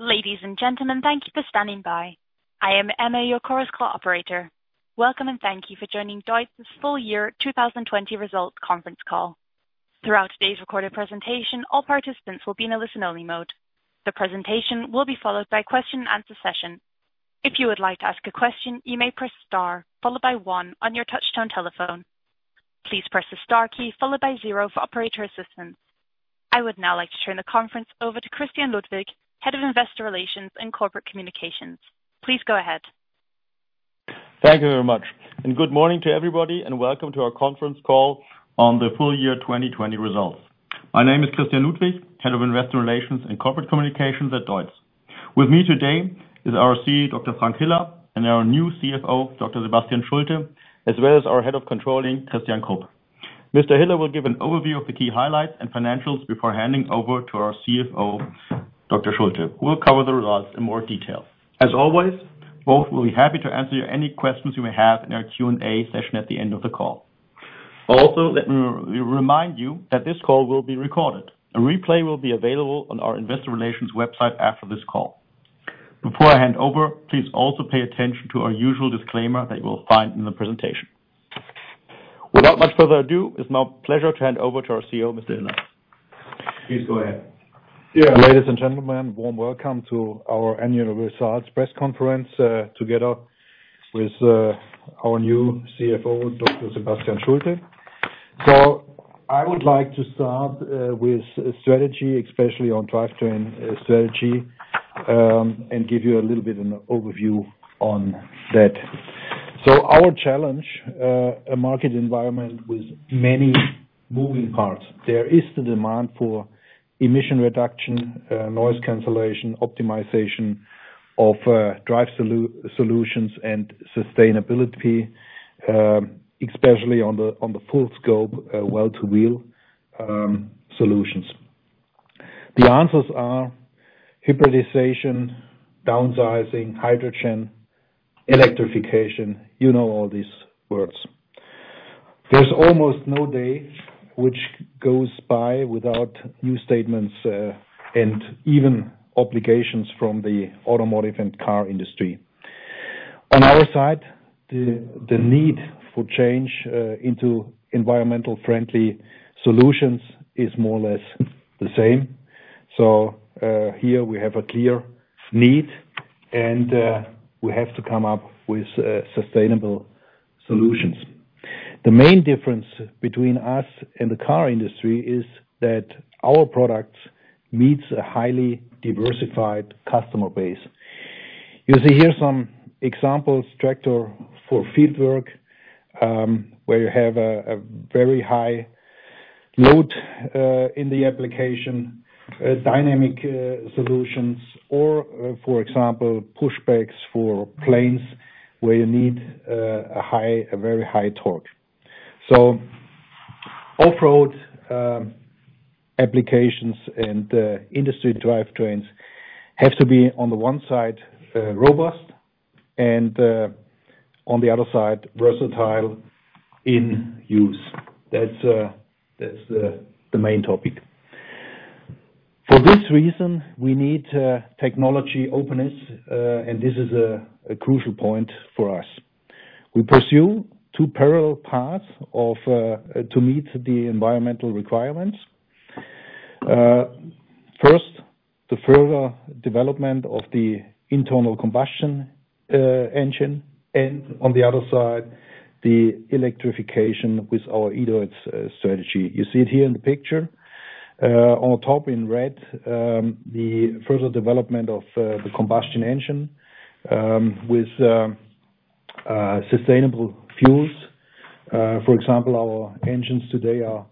Ladies and gentlemen, thank you for standing by. I am Emma, your Chorus Call operator. Welcome and thank you for joining DEUTZ's full-year 2020 results conference call. Throughout today's recorded presentation, all participants will be in a listen-only mode. The presentation will be followed by a question-and-answer session. If you would like to ask a question, you may press star, followed by one, on your touch-tone telephone. Please press the star key, followed by zero, for operator assistance. I would now like to turn the conference over to Christian Ludwig, Head of Investor Relations and Corporate Communications. Please go ahead. Thank you very much, and good morning to everybody, and welcome to our conference call on the full-year 2020 results. My name is Christian Ludwig, Head of Investor Relations and Corporate Communications at DEUTZ. With me today is our CEO, Dr. Frank Hiller, and our new CFO, Dr. Sebastian Schulte, as well as our Head of Controlling, Christian Kruto. Mr. Hiller will give an overview of the key highlights and financials before handing over to our CFO, Dr. Schulte, who will cover the results in more detail. As always, both will be happy to answer any questions you may have in our Q&A session at the end of the call. Also, let me remind you that this call will be recorded. A replay will be available on our Investor Relations website after this call. Before I hand over, please also pay attention to our usual disclaimer that you will find in the presentation. Without much further ado, it is my pleasure to hand over to our CEO, Mr. Hiller. Please go ahead. Yeah. Ladies and gentlemen, warm welcome to our annual results press conference together with our new CFO, Dr. Sebastian Schulte. I would like to start with strategy, especially on drivetrain strategy, and give you a little bit of an overview on that. Our challenge, a market environment with many moving parts, there is the demand for emission reduction, noise cancellation, optimization of drive solutions, and sustainability, especially on the full-scope well-to-wheel solutions. The answers are hybridization, downsizing, hydrogen, electrification; you know all these words. There's almost no day which goes by without new statements and even obligations from the automotive and car industry. On our side, the need for change into environmentally friendly solutions is more or less the same. Here we have a clear need, and we have to come up with sustainable solutions. The main difference between us and the car industry is that our product meets a highly diversified customer base. You see here some examples: tractor for field work, where you have a very high load in the application, dynamic solutions, or, for example, push bikes for planes, where you need a very high torque. Off-road applications and industry drivetrains have to be, on the one side, robust, and on the other side, versatile in use. That is the main topic. For this reason, we need technology openness, and this is a crucial point for us. We pursue two parallel paths to meet the environmental requirements. First, the further development of the internal combustion engine, and on the other side, the electrification with our eDEUTZ strategy. You see it here in the picture. On top in red, the further development of the combustion engine with sustainable fuels. For example, our engines today are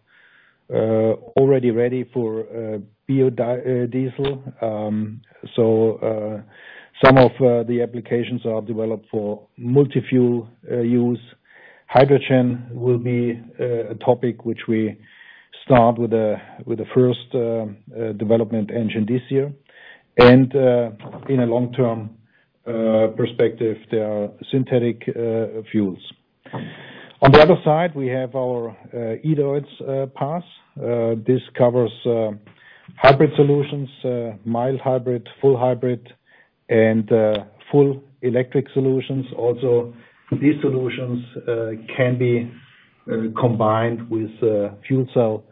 already ready for biodiesel, so some of the applications are developed for multi-fuel use. Hydrogen will be a topic which we start with the first development engine this year, and in a long-term perspective, there are synthetic fuels. On the other side, we have our eDEUTZ path. This covers hybrid solutions, mild hybrid, full hybrid, and full electric solutions. Also, these solutions can be combined with fuel cell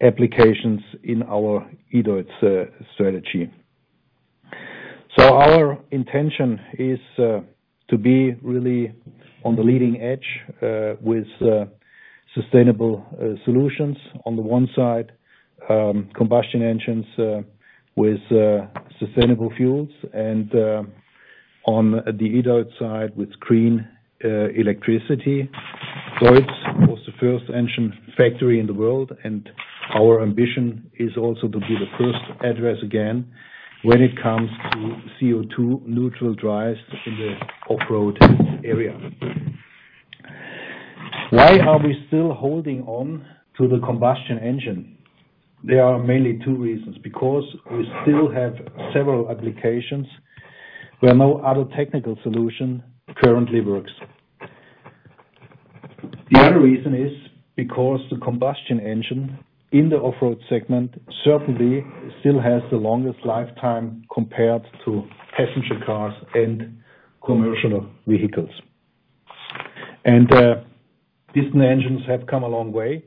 applications in our eDEUTZ strategy. Our intention is to be really on the leading edge with sustainable solutions. On the one side, combustion engines with sustainable fuels, and on the eDEUTZ side, with green electricity. DEUTZ was the first engine factory in the world, and our ambition is also to be the first address, again, when it comes to CO2-neutral drives in the off-road area. Why are we still holding on to the combustion engine? There are mainly two reasons: because we still have several applications where no other technical solution currently works. The other reason is because the combustion engine in the off-road segment certainly still has the longest lifetime compared to passenger cars and commercial vehicles. These engines have come a long way,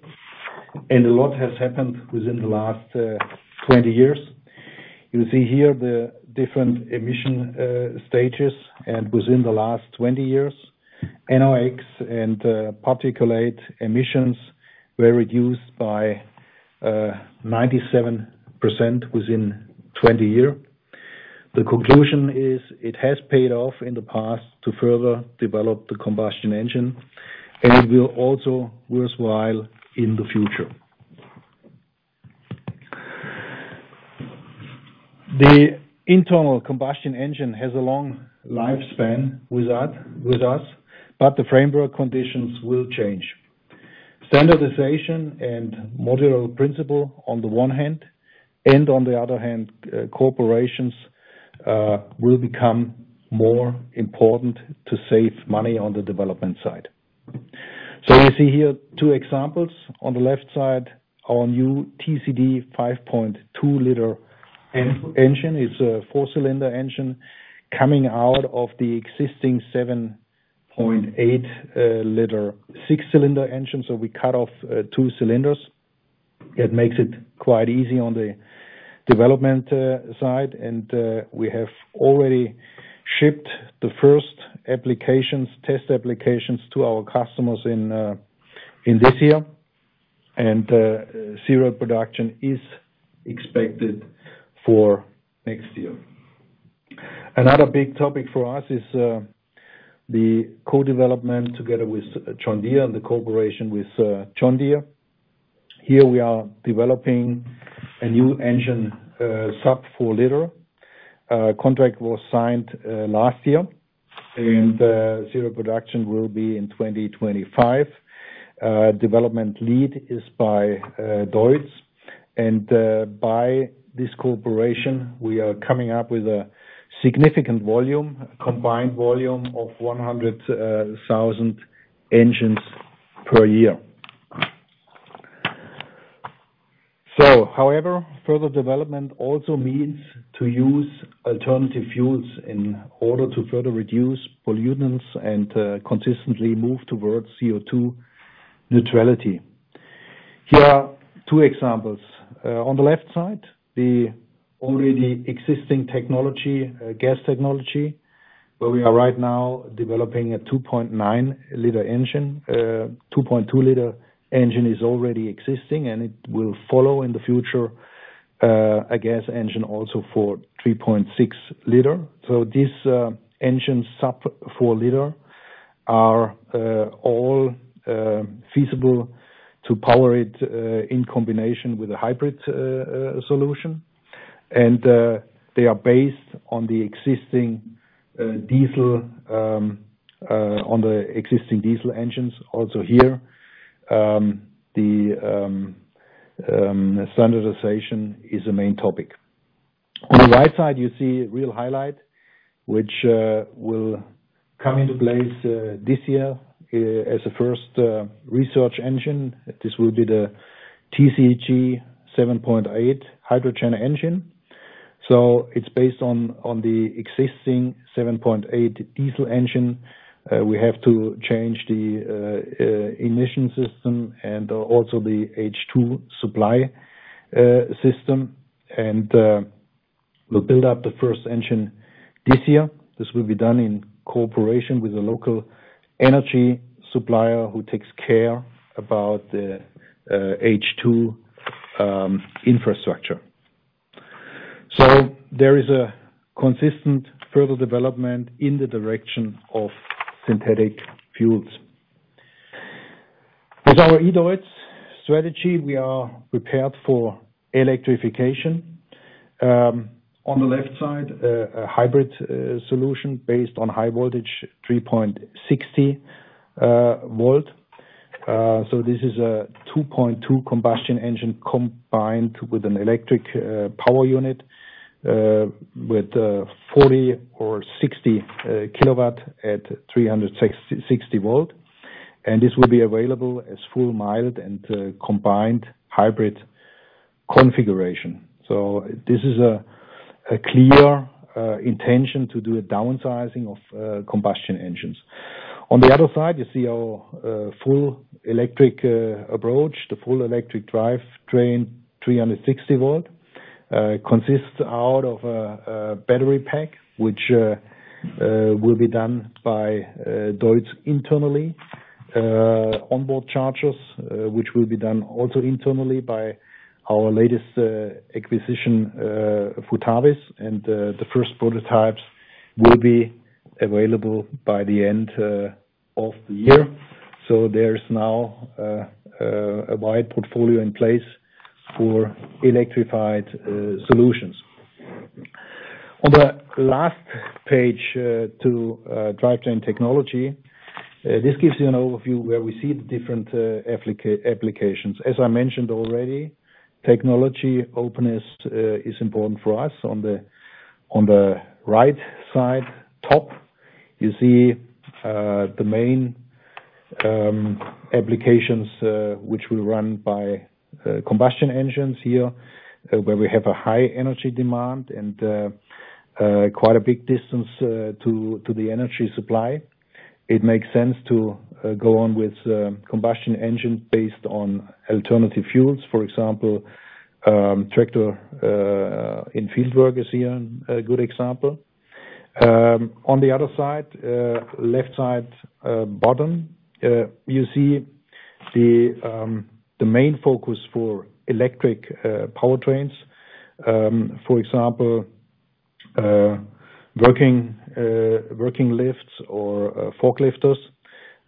and a lot has happened within the last 20 years. You see here the different emission stages, and within the last 20 years, NOx and particulate emissions were reduced by 97% within 20 years. The conclusion is it has paid off in the past to further develop the combustion engine, and it will also be worthwhile in the future. The internal combustion engine has a long lifespan with us, but the framework conditions will change. Standardization and modular principle, on the one hand, and on the other hand, corporations will become more important to save money on the development side. You see here two examples. On the left side, our new TCD 5.2-liter engine. It's a four-cylinder engine coming out of the existing 7.8-liter six-cylinder engine, so we cut off two cylinders. It makes it quite easy on the development side, and we have already shipped the first applications, test applications, to our customers in this year, and serial production is expected for next year. Another big topic for us is the co-development together with John Deere and the cooperation with John Deere. Here we are developing a new engine sub four-liter. The contract was signed last year, and serial production will be in 2025. Development lead is by DEUTZ, and by this cooperation, we are coming up with a significant volume, a combined volume of 100,000 engines per year. However, further development also means to use alternative fuels in order to further reduce pollutants and consistently move towards CO2 neutrality. Here are two examples. On the left side, the already existing technology, gas technology, where we are right now developing a 2.9-liter engine. A 2.2-liter engine is already existing, and it will follow in the future, a gas engine also for 3.6-liter. These engines sub four-liter are all feasible to power it in combination with a hybrid solution, and they are based on the existing diesel engines. Also here, the standardization is a main topic. On the right side, you see a real highlight which will come into place this year as a first research engine. This will be the TCG 7.8 hydrogen engine. It is based on the existing 7.8 diesel engine. We have to change the emission system and also the H2 supply system, and we will build up the first engine this year. This will be done in cooperation with a local energy supplier who takes care of the H2 infrastructure. There is a consistent further development in the direction of synthetic fuels. With our eDEUTZ strategy, we are prepared for electrification. On the left side, a hybrid solution based on high voltage, 360 volt. This is a 2.2 combustion engine combined with an electric power unit with 40 or 60 kilowatt at 360 volt, and this will be available as full, mild, and combined hybrid configuration. This is a clear intention to do a downsizing of combustion engines. On the other side, you see our full electric approach, the full electric drivetrain, 360 volt. It consists out of a battery pack, which will be done by DEUTZ internally, onboard chargers, which will be done also internally by our latest acquisition, Futabis, and the first prototypes will be available by the end of the year. There is now a wide portfolio in place for electrified solutions. On the last page to drivetrain technology, this gives you an overview where we see the different applications. As I mentioned already, technology openness is important for us. On the right side top, you see the main applications which will run by combustion engines here, where we have a high energy demand and quite a big distance to the energy supply. It makes sense to go on with combustion engine based on alternative fuels. For example, tractor in field work is here a good example. On the other side, left side bottom, you see the main focus for electric powertrains, for example, working lifts or forklifters.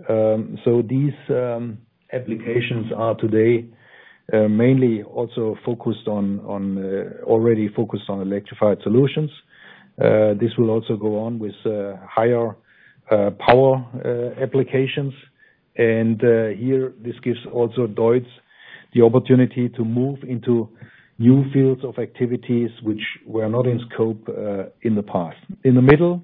These applications are today mainly also focused on already focused on electrified solutions. This will also go on with higher power applications, and here this gives also DEUTZ the opportunity to move into new fields of activities which were not in scope in the past. In the middle,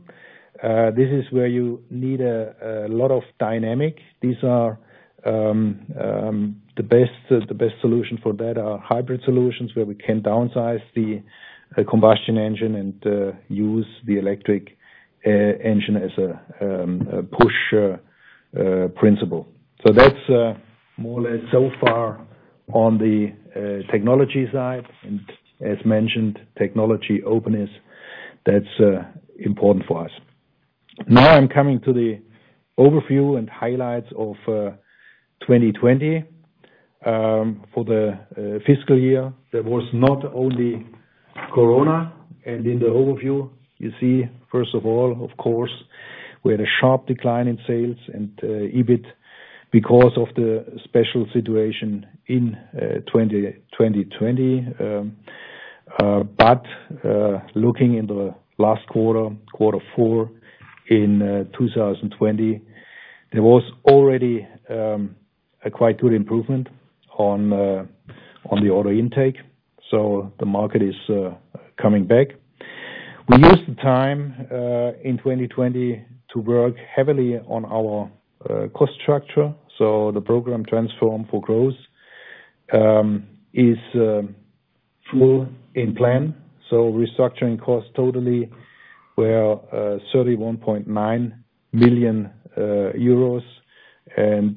this is where you need a lot of dynamic. These are the best solution for that are hybrid solutions where we can downsize the combustion engine and use the electric engine as a push principle. That is more or less so far on the technology side, and as mentioned, technology openness, that is important for us. Now I am coming to the overview and highlights of 2020. For the fiscal year, there was not only corona, and in the overview, you see, first of all, of course, we had a sharp decline in sales and EBIT because of the special situation in 2020. Looking in the last quarter, quarter four in 2020, there was already a quite good improvement on the order intake, so the market is coming back. We used the time in 2020 to work heavily on our cost structure, so the program Transform for Growth is full in plan. Restructuring cost totally were 31.9 million euros, and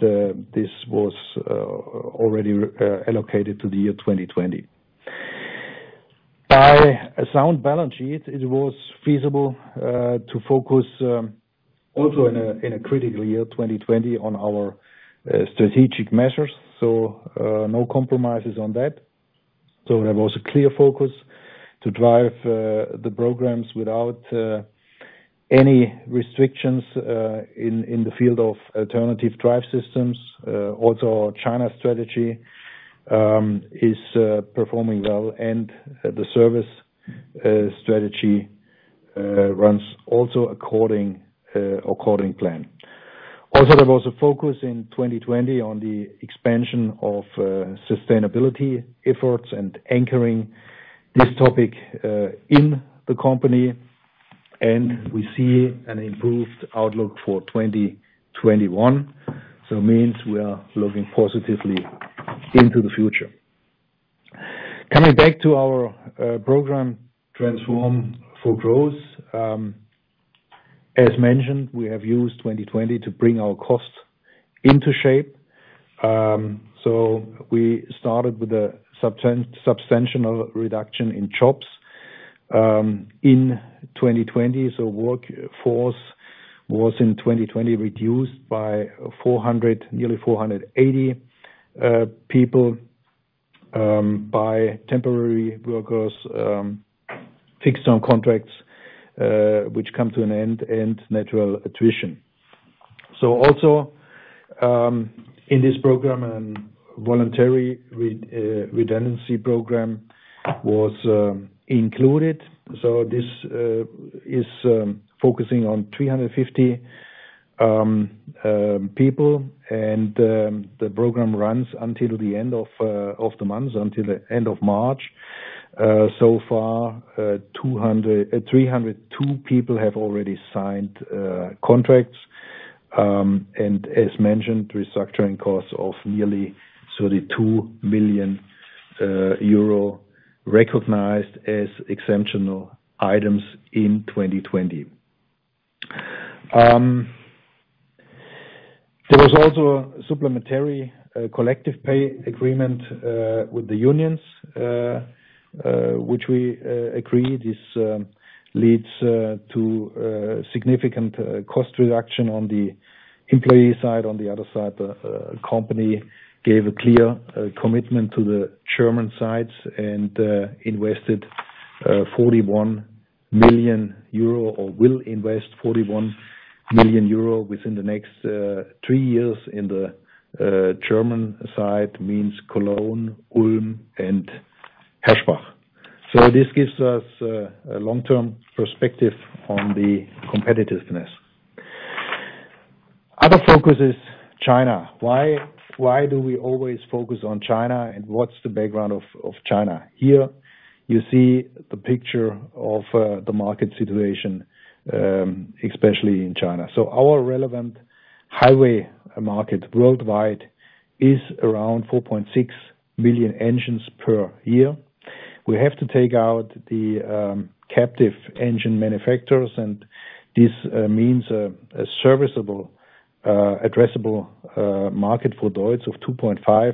this was already allocated to the year 2020. By a sound balance sheet, it was feasible to focus also in a critical year 2020 on our strategic measures, no compromises on that. There was a clear focus to drive the programs without any restrictions in the field of alternative drive systems. Also, our China strategy is performing well, and the service strategy runs also according plan. Also, there was a focus in 2020 on the expansion of sustainability efforts and anchoring this topic in the company, and we see an improved outlook for 2021. It means we are looking positively into the future. Coming back to our program Transform for Growth, as mentioned, we have used 2020 to bring our cost into shape. We started with a substantial reduction in jobs in 2020, so workforce was in 2020 reduced by nearly 480 people by temporary workers, fixed-term contracts which come to an end, and natural attrition. In this program, a voluntary redundancy program was included. This is focusing on 350 people, and the program runs until the end of the month, until the end of March. So far, 302 people have already signed contracts, and as mentioned, restructuring cost of nearly 32 million euro recognized as exceptional items in 2020. There was also a supplementary collective pay agreement with the unions which we agreed leads to significant cost reduction on the employee side. On the other side, the company gave a clear commitment to the German side and invested 41 million euro or will invest 41 million euro within the next three years in the German side, means Cologne, Ulm, and Herschbach. This gives us a long-term perspective on the competitiveness. Other focus is China. Why do we always focus on China, and what's the background of China? Here you see the picture of the market situation, especially in China. Our relevant highway market worldwide is around 4.6 million engines per year. We have to take out the captive engine manufacturers, and this means a serviceable, addressable market for DEUTZ of 2.5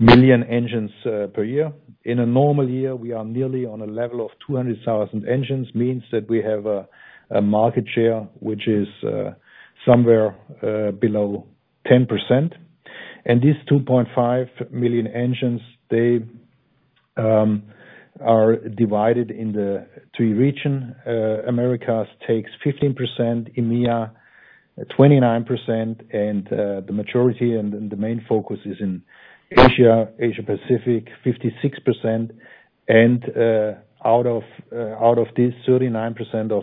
million engines per year. In a normal year, we are nearly on a level of 200,000 engines, means that we have a market share which is somewhere below 10%. These 2.5 million engines, they are divided in the three regions. America takes 15%, EMEA 29%, and the majority and the main focus is in Asia, Asia-Pacific, 56%. Out of this, 39% of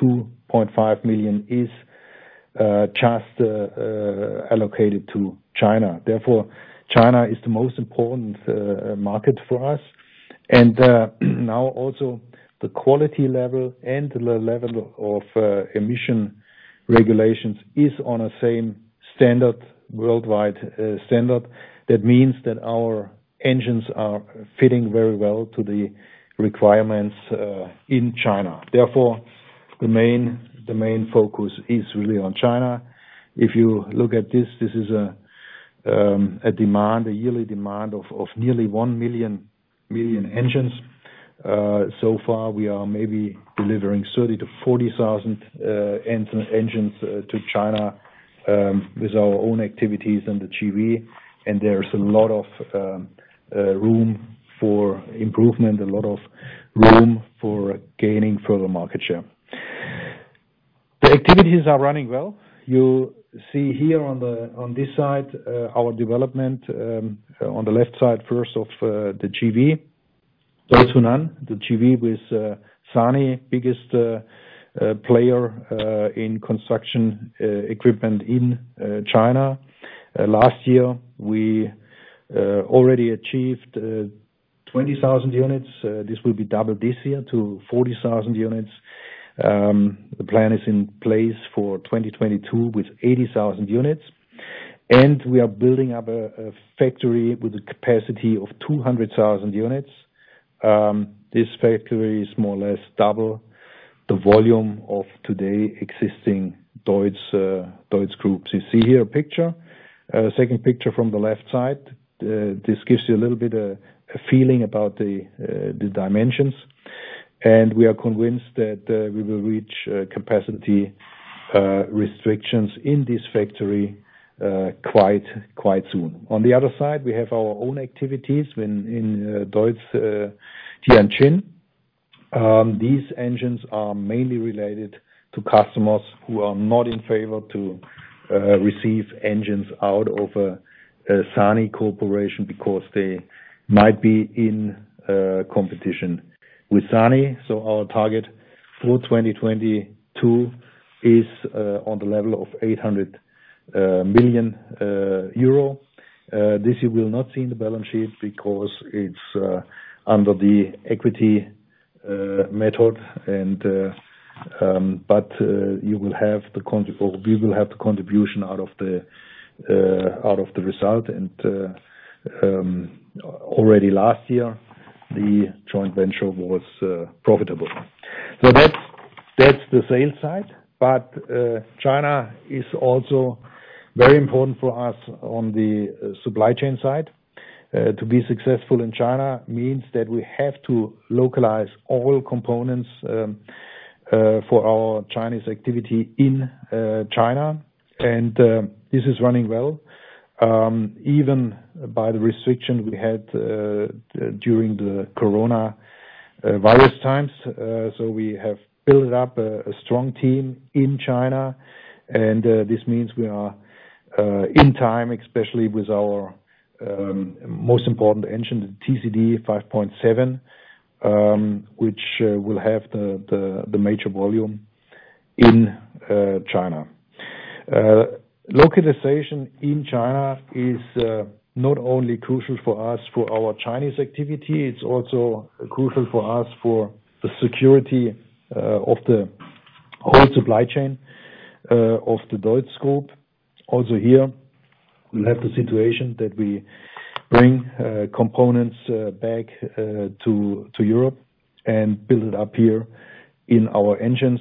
2.5 million is just allocated to China. Therefore, China is the most important market for us. Now also the quality level and the level of emission regulations is on a same standard, worldwide standard. That means that our engines are fitting very well to the requirements in China. Therefore, the main focus is really on China. If you look at this, this is a demand, a yearly demand of nearly 1 million engines. So far, we are maybe delivering 30,000-40,000 engines to China with our own activities and the JV, and there is a lot of room for improvement, a lot of room for gaining further market share. The activities are running well. You see here on this side our development, on the left side first of the JV, DEUTZ HUNAN, the JV with SANY, biggest player in construction equipment in China. Last year, we already achieved 20,000 units. This will be double this year to 40,000 units. The plan is in place for 2022 with 80,000 units, and we are building up a factory with a capacity of 200,000 units. This factory is more or less double the volume of today existing DEUTZ groups. You see here a picture, a second picture from the left side. This gives you a little bit of a feeling about the dimensions, and we are convinced that we will reach capacity restrictions in this factory quite soon. On the other side, we have our own activities in DEUTZ Tianjin. These engines are mainly related to customers who are not in favor to receive engines out of a SANY corporation because they might be in competition with SANY. Our target for 2022 is on the level of 800 million euro. This you will not see in the balance sheet because it is under the equity method, but you will have the contribution out of the result. Already last year, the joint venture was profitable. That is the sales side, but China is also very important for us on the supply chain side. To be successful in China means that we have to localize all components for our Chinese activity in China, and this is running well even by the restrictions we had during the coronavirus times. We have built up a strong team in China, and this means we are in time, especially with our most important engine, the TCD 5.7, which will have the major volume in China. Localization in China is not only crucial for us for our Chinese activity, it is also crucial for us for the security of the whole supply chain of the DEUTZ group. Also here, we have the situation that we bring components back to Europe and build it up here in our engines.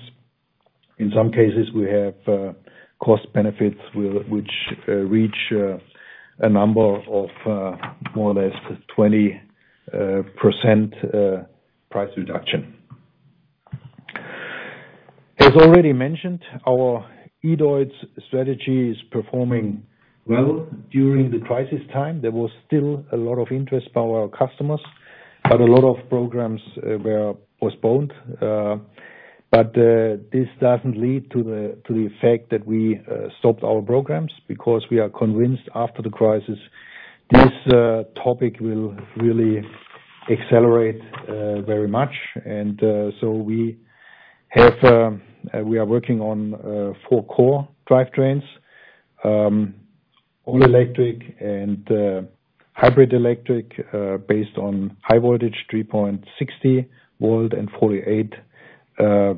In some cases, we have cost benefits which reach a number of more or less 20% price reduction. As already mentioned, our eDEUTZ strategy is performing well during the crisis time. There was still a lot of interest by our customers, but a lot of programs were postponed. This does not lead to the fact that we stopped our programs because we are convinced after the crisis this topic will really accelerate very much. We are working on four core drivetrains, all electric and hybrid electric based on high voltage 360 volt and 48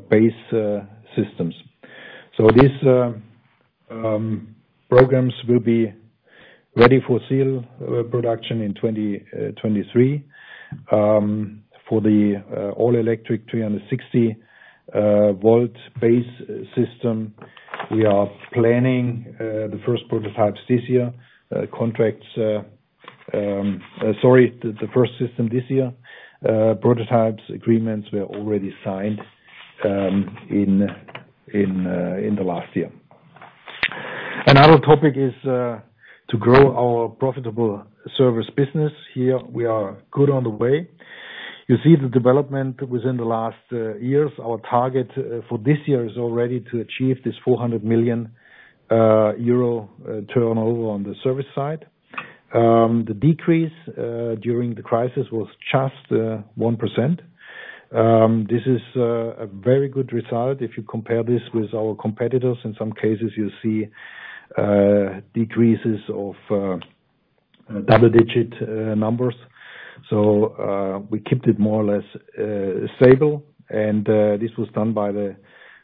base systems. These programs will be ready for serial production in 2023. For the all electric 360 volt base system, we are planning the first prototypes this year, sorry, the first system this year, prototype agreements were already signed in the last year. Another topic is to grow our profitable service business. Here we are good on the way. You see the development within the last years. Our target for this year is already to achieve this 400 million euro turnover on the service side. The decrease during the crisis was just 1%. This is a very good result if you compare this with our competitors. In some cases, you see decreases of double-digit numbers. We kept it more or less stable, and this was done by the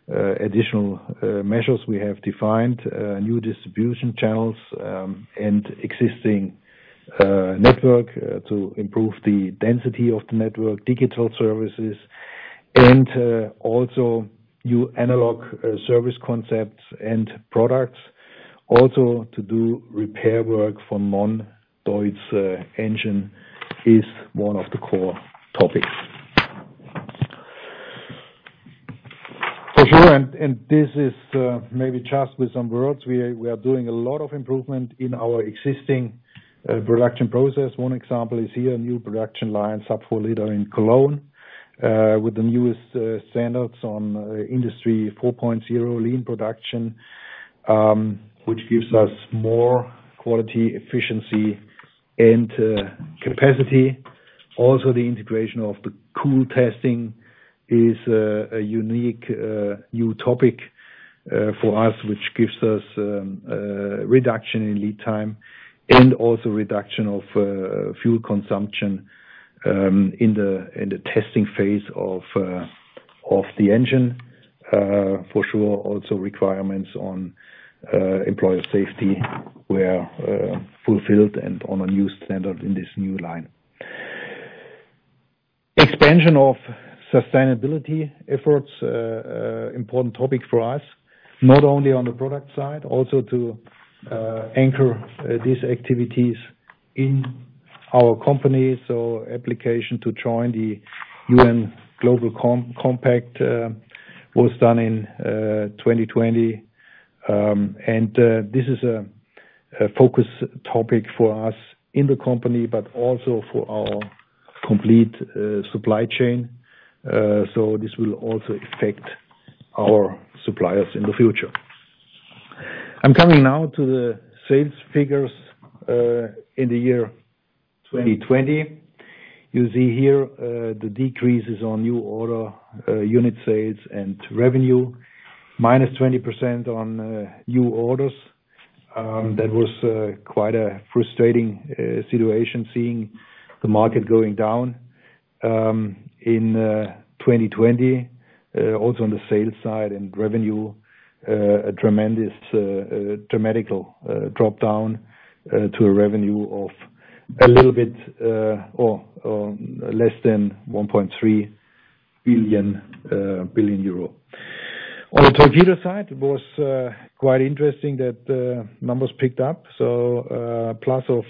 additional measures we have defined, new distribution channels and existing network to improve the density of the network, digital services, and also new analog service concepts and products. Also to do repair work for non-DEUTZ engine is one of the core topics. For sure, and this is maybe just with some words, we are doing a lot of improvement in our existing production process. One example is here a new production line sub 4 liter in Cologne with the newest standards on industry 4.0 lean production, which gives us more quality, efficiency, and capacity. Also the integration of the cool testing is a unique new topic for us, which gives us reduction in lead time and also reduction of fuel consumption in the testing phase of the engine. For sure, also requirements on employer safety were fulfilled and on a new standard in this new line. Expansion of sustainability efforts, important topic for us, not only on the product side, also to anchor these activities in our company. Application to join the UN Global Compact was done in 2020, and this is a focus topic for us in the company, but also for our complete supply chain. This will also affect our suppliers in the future. I'm coming now to the sales figures in the year 2020. You see here the decreases on new order unit sales and revenue, minus 20% on new orders. That was quite a frustrating situation seeing the market going down in 2020. Also on the sales side and revenue, a tremendous dramatic drop down to a revenue of a little bit or less than 1.3 billion. On the Torpedo side, it was quite interesting that numbers picked up, so plus of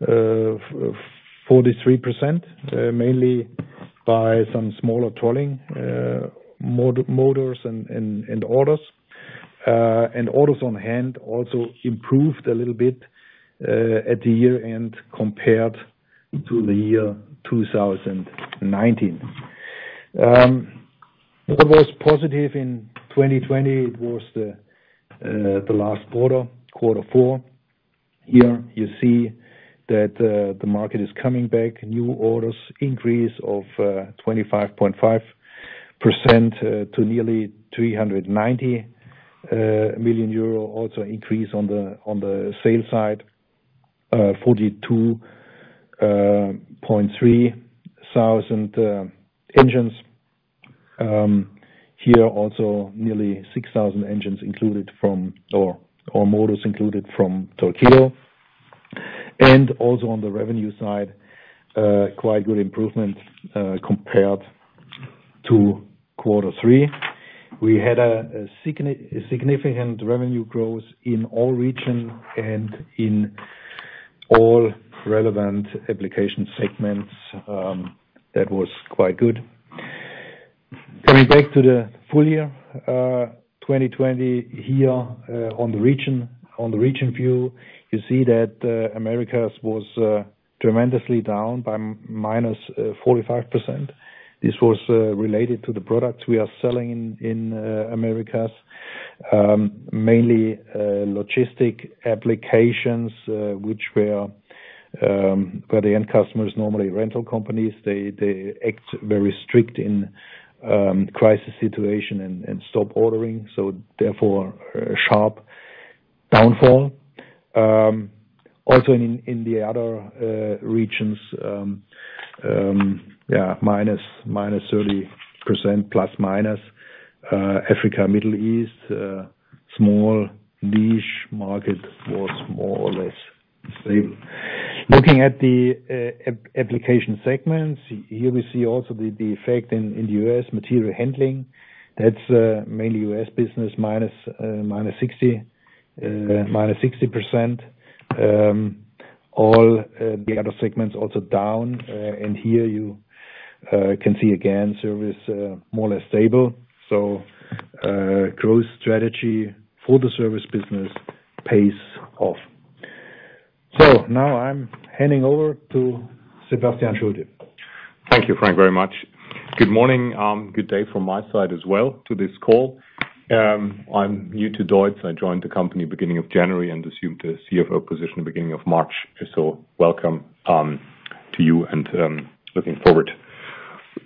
43%, mainly by some smaller trolling motors and orders. And orders on hand also improved a little bit at the year-end compared to the year 2019. What was positive in 2020 was the last quarter, quarter four. Here you see that the market is coming back, new orders increase of 25.5% to nearly 390 million euro, also increase on the sales side, 42.3 thousand engines. Here also nearly 6,000 engines included from or motors included from Torpedo. Also on the revenue side, quite good improvement compared to quarter three. We had a significant revenue growth in all regions and in all relevant application segments. That was quite good. Coming back to the full year 2020, here on the region view, you see that America's was tremendously down by -45%. This was related to the products we are selling in America's, mainly logistic applications, which were the end customers normally rental companies. They act very strict in crisis situation and stop ordering. Therefore, sharp downfall. Also in the other regions, yeah, -30% plus minus. Africa, Middle East, small niche market was more or less stable. Looking at the application segments, here we see also the effect in the U.S. material handling. That's mainly U.S. business, -60%. All the other segments also down. Here you can see again service more or less stable. Growth strategy for the service business pays off. Now I am handing over to Sebastian Schulte. Thank you, Frank, very much. Good morning. Good day from my side as well to this call. I am new to DEUTZ. I joined the company beginning of January and assumed a CFO position beginning of March. Welcome to you and looking forward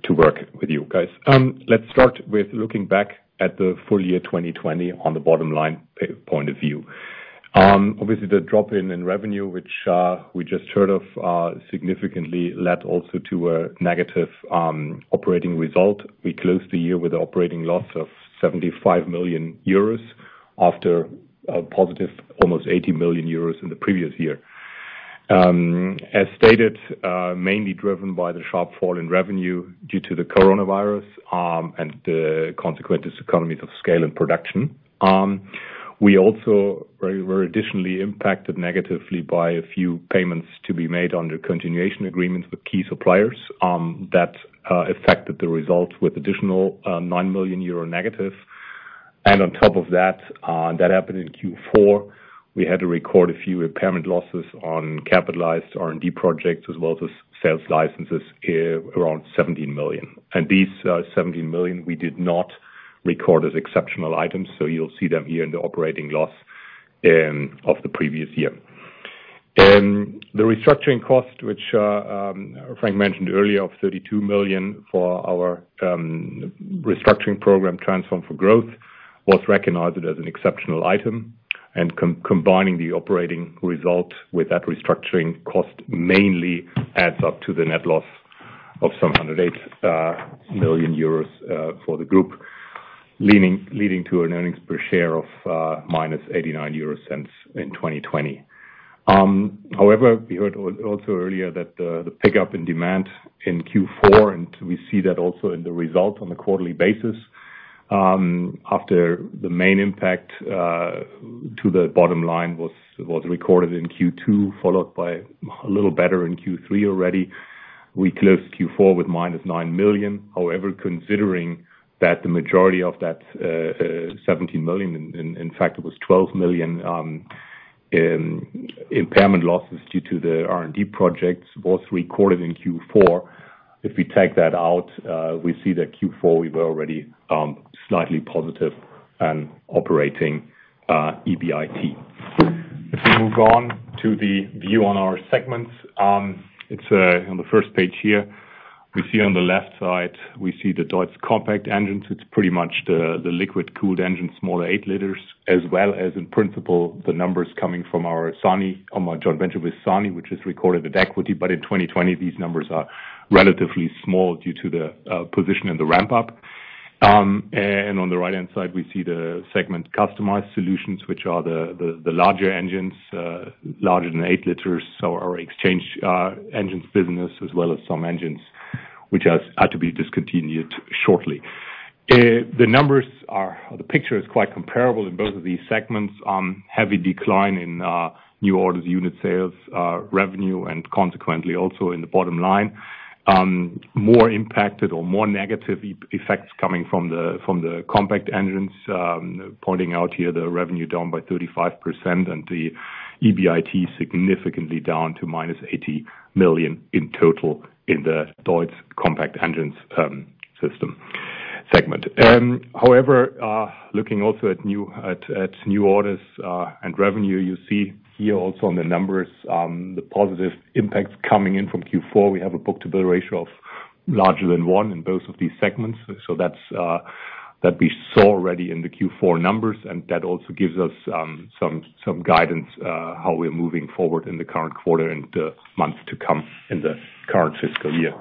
to work with you guys. Let's start with looking back at the full year 2020 on the bottom line point of view. Obviously, the drop in revenue, which we just heard of, significantly led also to a negative operating result. We closed the year with an operating loss of 75 million euros after a positive almost 80 million euros in the previous year. As stated, mainly driven by the sharp fall in revenue due to the coronavirus and the consequent discomforts of scale and production. We also were additionally impacted negatively by a few payments to be made under continuation agreements with key suppliers that affected the results with additional 9 million euro negative. On top of that, that happened in Q4. We had to record a few impairment losses on capitalized R&D projects as well as sales licenses around 17 million. These 17 million, we did not record as exceptional items. You will see them here in the operating loss of the previous year. The restructuring cost, which Frank mentioned earlier of 32 million for our restructuring program, Transform for Growth, was recognized as an exceptional item. Combining the operating result with that restructuring cost mainly adds up to the net loss of 708 million euros for the group, leading to an earnings per share of minus 0.89 in 2020. However, we heard also earlier that the pickup in demand in Q4, and we see that also in the result on the quarterly basis after the main impact to the bottom line was recorded in Q2, followed by a little better in Q3 already. We closed Q4 with minus 9 million. However, considering that the majority of that 17 million, in fact, it was 12 million impairment losses due to the R&D projects was recorded in Q4. If we take that out, we see that Q4 we were already slightly positive in operating EBIT. If we move on to the view on our segments, it's on the first page here. We see on the left side, we see the DEUTZ Compact engines. It's pretty much the liquid cooled engine, smaller 8 liters, as well as in principle the numbers coming from our SANY, John Deere SANY, which is recorded with equity. In 2020, these numbers are relatively small due to the position and the ramp up. On the right-hand side, we see the segment customized solutions, which are the larger engines, larger than 8 liters, so our exchange engines business, as well as some engines which are to be discontinued shortly. The numbers are the picture is quite comparable in both of these segments. Heavy decline in new orders, unit sales, revenue, and consequently also in the bottom line. More impacted or more negative effects coming from the Compact engines, pointing out here the revenue down by 35% and the EBIT significantly down to minus 80 million in total in the DEUTZ Compact engines system segment. However, looking also at new orders and revenue, you see here also on the numbers, the positive impacts coming in from Q4. We have a book-to-build ratio of larger than 1 in both of these segments. That we saw already in the Q4 numbers, and that also gives us some guidance how we're moving forward in the current quarter and the month to come in the current fiscal year.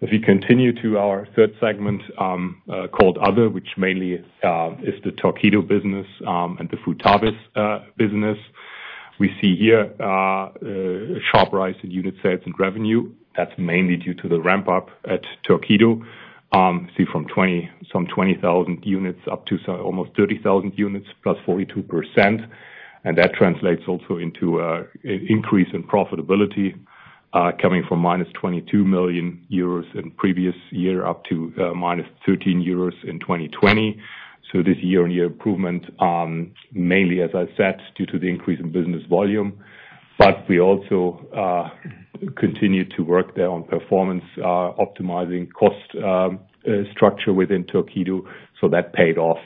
If we continue to our third segment called other, which mainly is the Torpedo business and the food harvest business, we see here a sharp rise in unit sales and revenue. That's mainly due to the ramp up at Torpedo. See from some 20,000 units up to almost 30,000 units, plus 42%. That translates also into an increase in profitability coming from minus 22 million euros in previous year up to minus 13 million euros in 2020. This year-on-year improvement, mainly, as I said, due to the increase in business volume. We also continue to work there on performance, optimizing cost structure within Torpedo. That paid off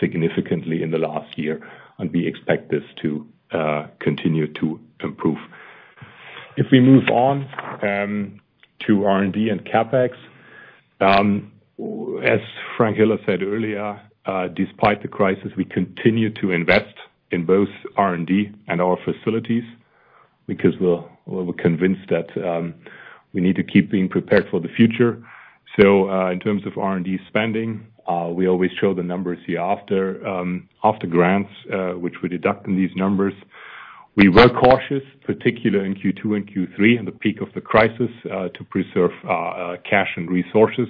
significantly in the last year, and we expect this to continue to improve. If we move on to R&D and CapEx, as Frank Hiller said earlier, despite the crisis, we continue to invest in both R&D and our facilities because we're convinced that we need to keep being prepared for the future. In terms of R&D spending, we always show the numbers here after grants, which we deduct in these numbers. We were cautious, particularly in Q2 and Q3 and the peak of the crisis, to preserve cash and resources.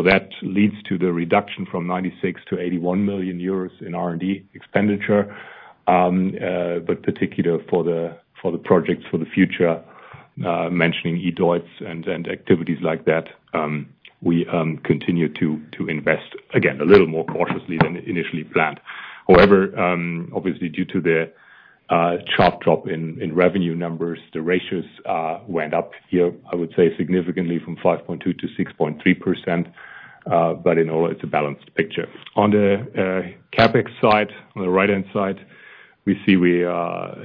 That leads to the reduction from 96 million to 81 million euros in R&D expenditure. Particularly for the projects for the future, mentioning eDEUTZ and activities like that, we continue to invest again a little more cautiously than initially planned. However, obviously, due to the sharp drop in revenue numbers, the ratios went up here, I would say, significantly from 5.2% to 6.3%. In all, it's a balanced picture. On the CapEx side, on the right-hand side, we see we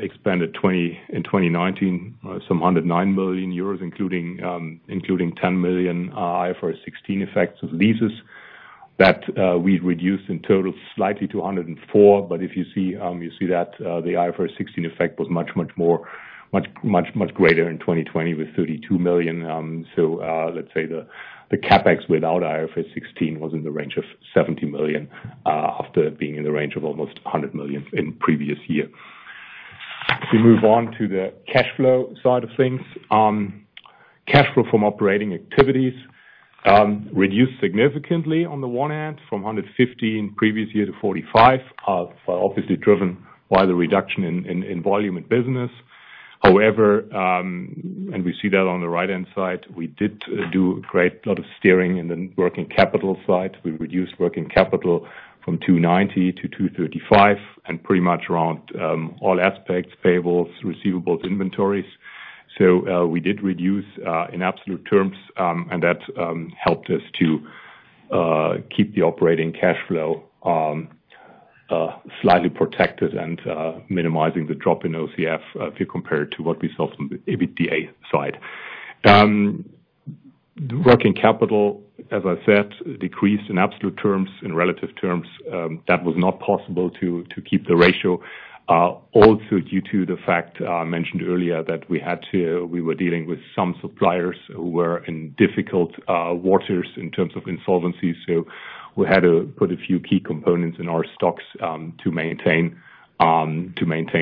expanded in 2019, some 109 million euros, including 10 million IFRS 16 effects of leases. That we reduced in total slightly to 104 million. If you see, you see that the IFRS 16 effect was much, much greater in 2020 with 32 million. Let's say the CapEx without IFRS 16 was in the range of 70 million after being in the range of almost 100 million in the previous year. If we move on to the cash flow side of things, cash flow from operating activities reduced significantly on the one hand from 115 million previous year to 45 million, obviously driven by the reduction in volume and business. However, and we see that on the right-hand side, we did do a great lot of steering in the working capital side. We reduced working capital from 290 million to 235 million and pretty much around all aspects, payables, receivables, inventories. We did reduce in absolute terms, and that helped us to keep the operating cash flow slightly protected and minimizing the drop in OCF if you compare it to what we saw from the EBITDA side. Working capital, as I said, decreased in absolute terms. In relative terms, that was not possible to keep the ratio. Also due to the fact I mentioned earlier that we were dealing with some suppliers who were in difficult waters in terms of insolvency. We had to put a few key components in our stocks to maintain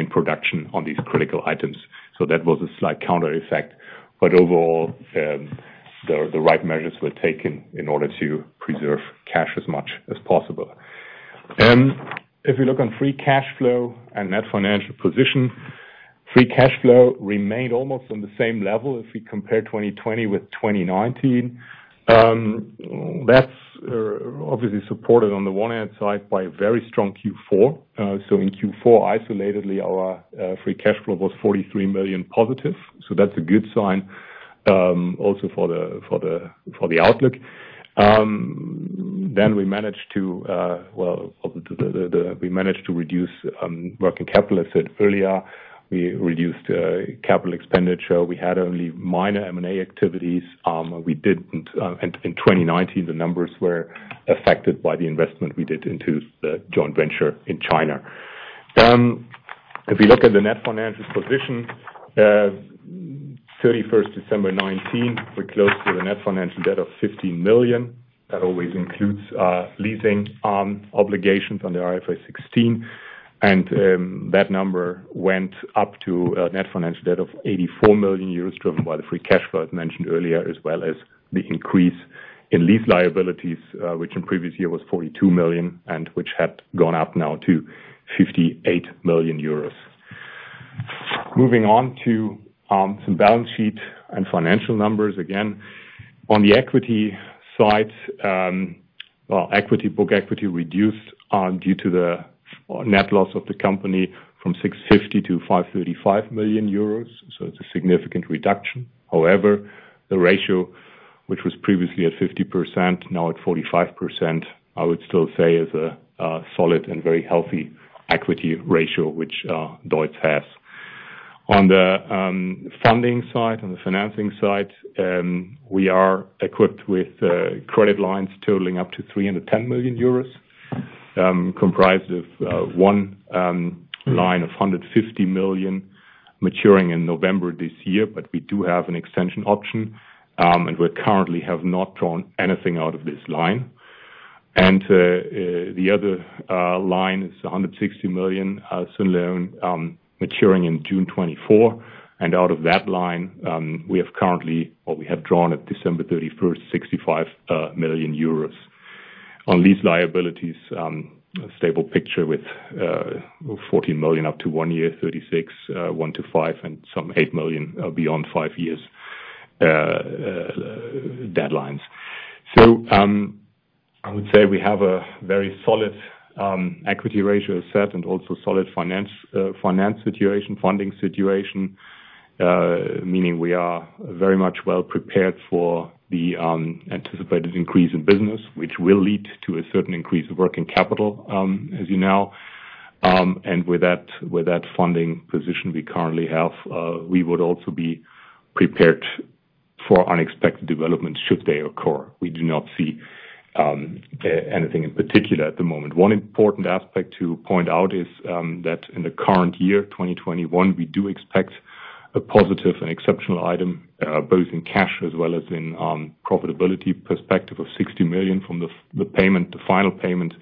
production on these critical items. That was a slight counter effect. Overall, the right measures were taken in order to preserve cash as much as possible. If we look on free cash flow and net financial position, free cash flow remained almost on the same level if we compare 2020 with 2019. That is obviously supported on the one-hand side by a very strong Q4. In Q4, isolatedly, our free cash flow was 43 million positive. That is a good sign also for the outlook. We managed to reduce working capital, as I said earlier. We reduced capital expenditure. We had only minor M&A activities. In 2019, the numbers were affected by the investment we did into the joint venture in China. If we look at the net financial position, 31 December 2019, we closed with a net financial debt of 15 million. That always includes leasing obligations under IFRS 16. That number went up to a net financial debt of 84 million euros driven by the free cash flow as mentioned earlier, as well as the increase in lease liabilities, which in the previous year was 42 million and which had gone up now to 58 million euros. Moving on to some balance sheet and financial numbers again. On the equity side, well, equity book, equity reduced due to the net loss of the company from 650 million to 535 million euros. It is a significant reduction. However, the ratio, which was previously at 50%, now at 45%, I would still say is a solid and very healthy equity ratio which DEUTZ has. On the funding side, on the financing side, we are equipped with credit lines totaling up to 310 million euros, comprised of one line of 150 million maturing in November this year. We do have an extension option, and we currently have not drawn anything out of this line. The other line is 160 million Schuldschein loan maturing in June 2024. Out of that line, we have currently, or we have drawn at December 31, 65 million euros. On lease liabilities, stable picture with 14 million up to one year, 36 million, one to five, and some 8 million beyond five years deadlines. I would say we have a very solid equity ratio set and also solid finance situation, funding situation, meaning we are very much well prepared for the anticipated increase in business, which will lead to a certain increase of working capital, as you know. With that funding position we currently have, we would also be prepared for unexpected developments should they occur. We do not see anything in particular at the moment. One important aspect to point out is that in the current year, 2021, we do expect a positive and exceptional item, both in cash as well as in profitability perspective of 60 million from the final payment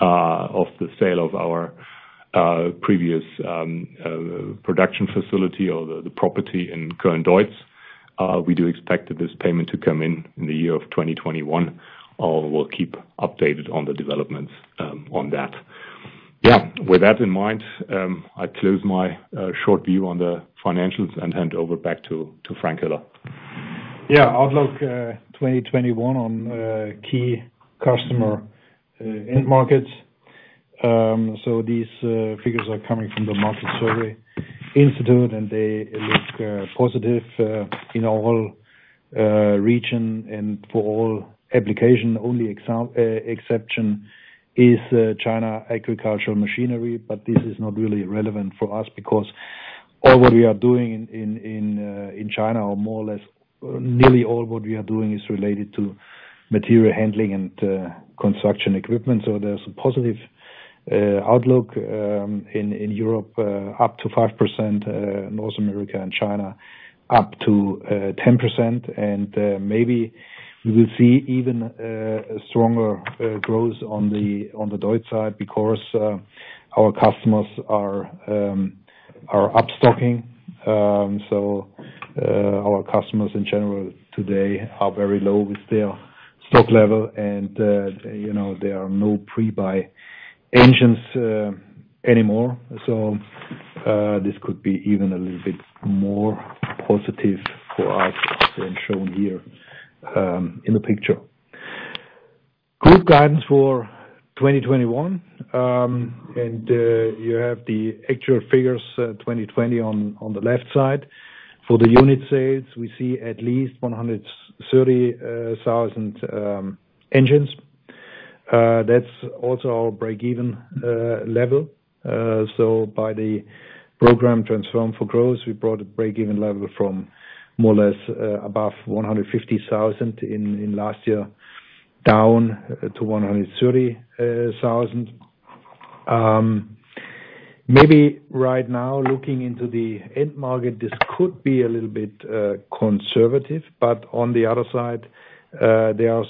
of the sale of our previous production facility or the property in Köln-Deutz. We do expect that this payment to come in the year of 2021. We'll keep updated on the developments on that. Yeah. With that in mind, I close my short view on the financials and hand over back to Frank Hiller. Yeah. Outlook 2021 on key customer end markets. These figures are coming from the Market Survey Institute, and they look positive in all regions. For all application, only exception is China agricultural machinery. This is not really relevant for us because all what we are doing in China, or more or less nearly all what we are doing, is related to material handling and construction equipment. There is a positive outlook in Europe, up to 5%, North America and China up to 10%. Maybe we will see even stronger growth on the DEUTZ side because our customers are upstocking. Our customers in general today are very low with their stock level, and there are no pre-buy engines anymore. This could be even a little bit more positive for us than shown here in the picture. Group guidance for 2021. You have the actual figures 2020 on the left side. For the unit sales, we see at least 130,000 engines. That's also our break-even level. By the program Transform for Growth, we brought a break-even level from more or less above 150,000 in last year down to 130,000. Maybe right now, looking into the end market, this could be a little bit conservative. On the other side, there are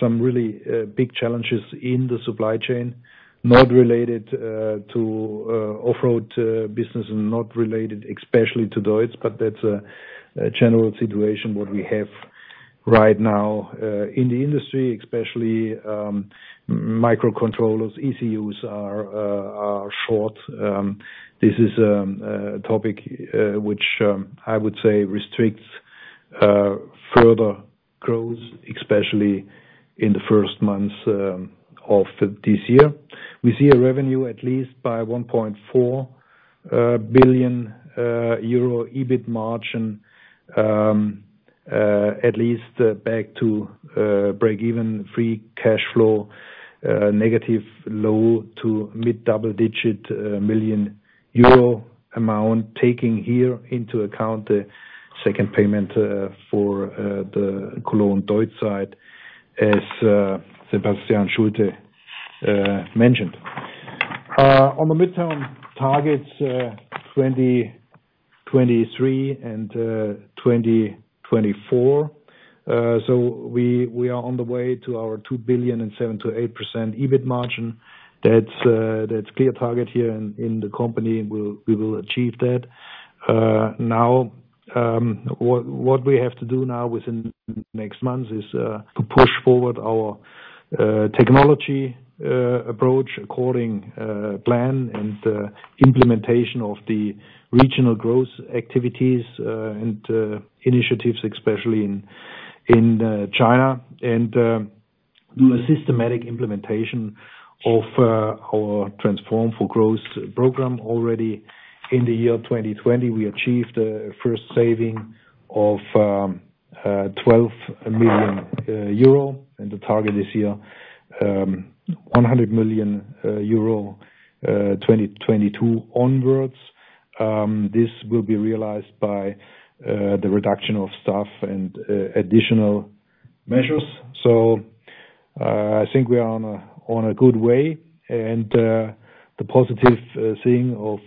some really big challenges in the supply chain, not related to off-road business and not related especially to DEUTZ. That's a general situation we have right now in the industry, especially microcontrollers. ECUs are short. This is a topic which I would say restricts further growth, especially in the first months of this year. We see a revenue at least by 1.4 billion euro, EBIT margin at least back to break-even, free cash flow negative low to mid double-digit million euro amount, taking here into account the second payment for the Cologne-Deutz site, as Sebastian Schulte mentioned. On the midterm targets, 2023 and 2024. We are on the way to our 2 billion and 7%-8% EBIT margin. That is a clear target here in the company. We will achieve that. Now, what we have to do within the next months is to push forward our technology approach according to plan and implementation of the regional growth activities and initiatives, especially in China. Do a systematic implementation of our Transform for Growth program. Already in the year 2020, we achieved the first saving of 12 million euro, and the target is here 100 million euro 2022 onwards. This will be realized by the reduction of staff and additional measures. I think we are on a good way. The positive thing of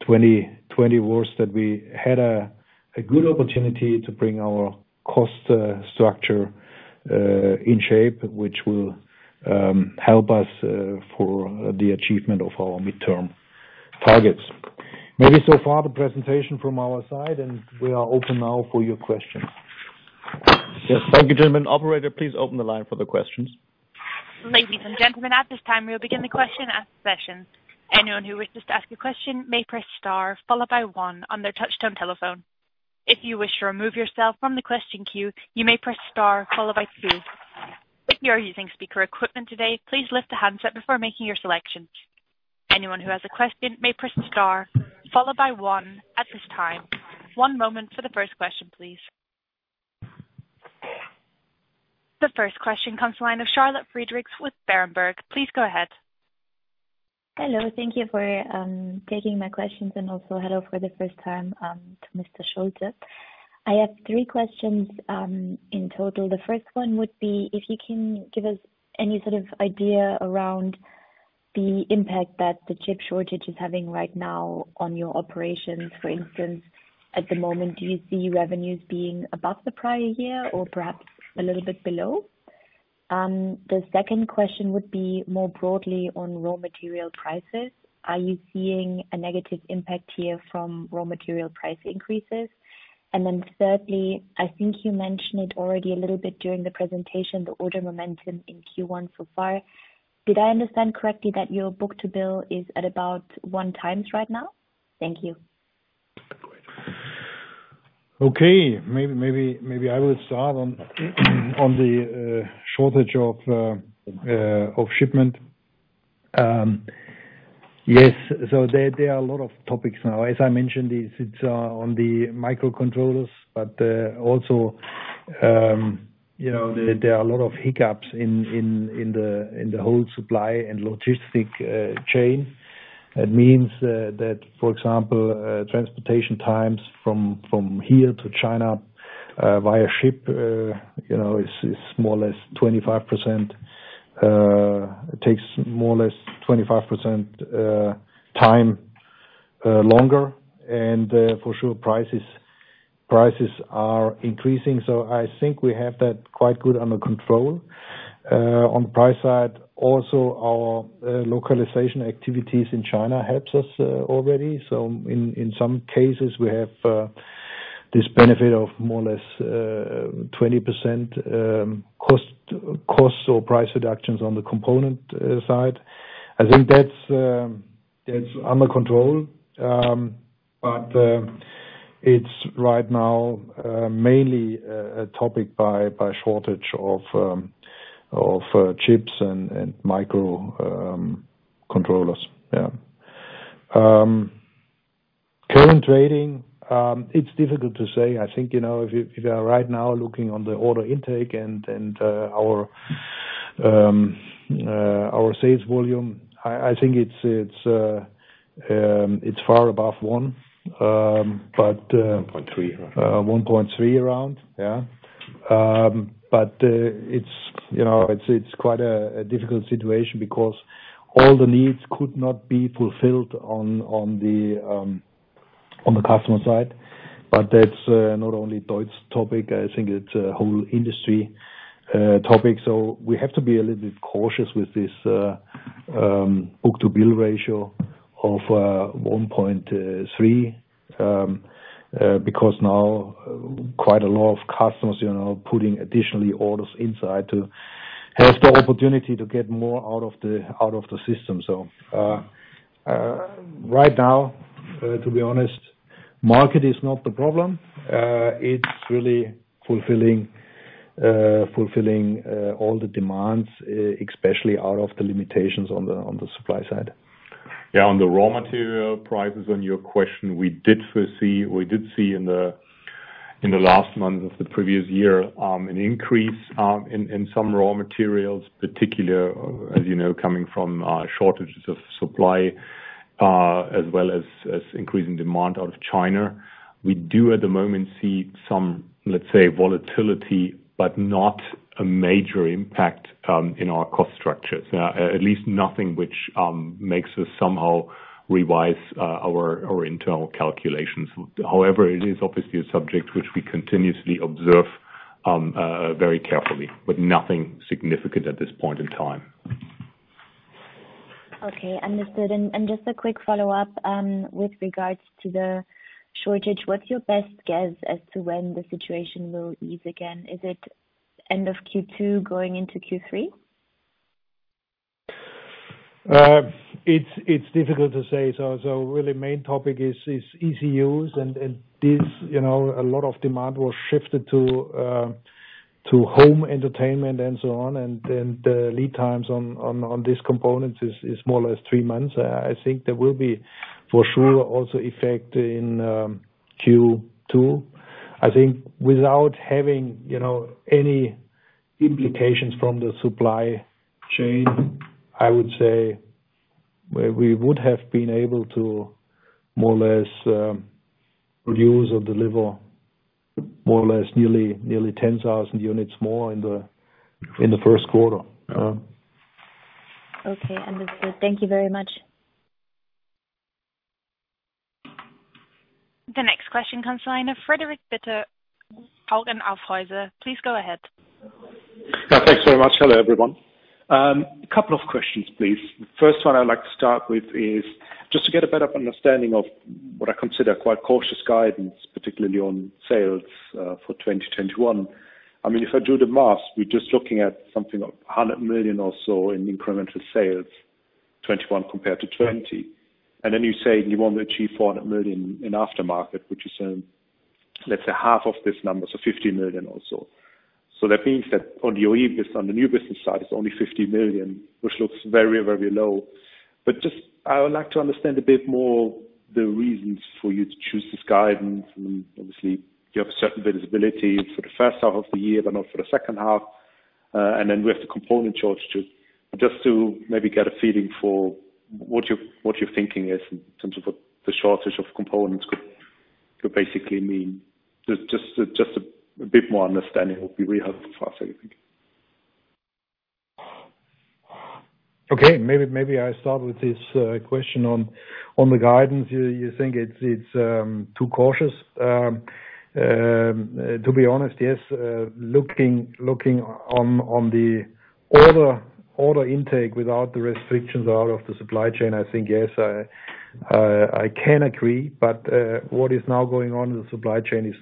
2020 was that we had a good opportunity to bring our cost structure in shape, which will help us for the achievement of our midterm targets. Maybe so far the presentation from our side, and we are open now for your questions. Yes. Thank you, gentlemen. Operator, please open the line for the questions. Ladies and gentlemen, at this time, we will begin the question and answer session. Anyone who wishes to ask a question may press star followed by one on their touchstone telephone. If you wish to remove yourself from the question queue, you may press star followed by two. If you are using speaker equipment today, please lift the handset before making your selection. Anyone who has a question may press star followed by one at this time. One moment for the first question, please. The first question comes from the line of Charlotte Friedrichs with Berenberg. Please go ahead. Hello. Thank you for taking my questions and also hello for the first time to Mr. Schulte. I have three questions in total. The first one would be if you can give us any sort of idea around the impact that the chip shortage is having right now on your operations. For instance, at the moment, do you see revenues being above the prior year or perhaps a little bit below? The second question would be more broadly on raw material prices. Are you seeing a negative impact here from raw material price increases? Thirdly, I think you mentioned it already a little bit during the presentation, the order momentum in Q1 so far. Did I understand correctly that your book to bill is at about one times right now? Thank you. Okay. Maybe I will start on the shortage of shipment. Yes. There are a lot of topics now. As I mentioned, it is on the microcontrollers, but also there are a lot of hiccups in the whole supply and logistic chain. That means that, for example, transportation times from here to China via ship is more or less 25% longer. It takes more or less 25% time longer. For sure, prices are increasing. I think we have that quite good under control on the price side. Also, our localization activities in China helps us already. In some cases, we have this benefit of more or less 20% cost or price reductions on the component side. I think that's under control. It's right now mainly a topic by shortage of chips and microcontrollers. Yeah. Current rating, it's difficult to say. I think if you are right now looking on the order intake and our sales volume, I think it's far above one. 1.3. 1.3 around. Yeah. It's quite a difficult situation because all the needs could not be fulfilled on the customer side. That's not only a DEUTZ topic. I think it's a whole industry topic. We have to be a little bit cautious with this book to bill ratio of 1.3 because now quite a lot of customers are putting additional orders inside to have the opportunity to get more out of the system. Right now, to be honest, market is not the problem. It's really fulfilling all the demands, especially out of the limitations on the supply side. Yeah. On the raw material prices, on your question, we did see in the last month of the previous year an increase in some raw materials, particularly as you know, coming from shortages of supply as well as increasing demand out of China. We do at the moment see some, let's say, volatility, but not a major impact in our cost structures. At least nothing which makes us somehow revise our internal calculations. However, it is obviously a subject which we continuously observe very carefully, but nothing significant at this point in time. Okay. Understood. Just a quick follow-up with regards to the shortage. What's your best guess as to when the situation will ease again? Is it end of Q2 going into Q3? It's difficult to say. Really, main topic is ECUs. A lot of demand was shifted to home entertainment and so on. The lead times on this component is more or less three months. I think there will be for sure also effect in Q2. I think without having any implications from the supply chain, I would say we would have been able to more or less produce or deliver more or less nearly 10,000 units more in the first quarter. Okay. Understood. Thank you very much. The next question comes to the line of Friedrich Bitter, Hauck Aufhäuser. Please go ahead. Thanks very much. Hello, everyone. A couple of questions, please. The first one I'd like to start with is just to get a better understanding of what I consider quite cautious guidance, particularly on sales for 2021. I mean, if I drew the maths, we're just looking at something of 100 million or so in incremental sales 2021 compared to 2020. You say you want to achieve 40 million in aftermarket, which is, let's say, half of this number, so 50 million or so. That means that on the new business side, it's only 50 million, which looks very, very low. I would like to understand a bit more the reasons for you to choose this guidance. Obviously, you have a certain visibility for the first half of the year, but not for the second half. We have the component shortage. Just to maybe get a feeling for what your thinking is in terms of what the shortage of components could basically mean. Just a bit more understanding would be really helpful for us, I think. Okay. Maybe I start with this question on the guidance. You think it's too cautious? To be honest, yes. Looking on the order intake without the restrictions out of the supply chain, I think, yes, I can agree. What is now going on in the supply chain is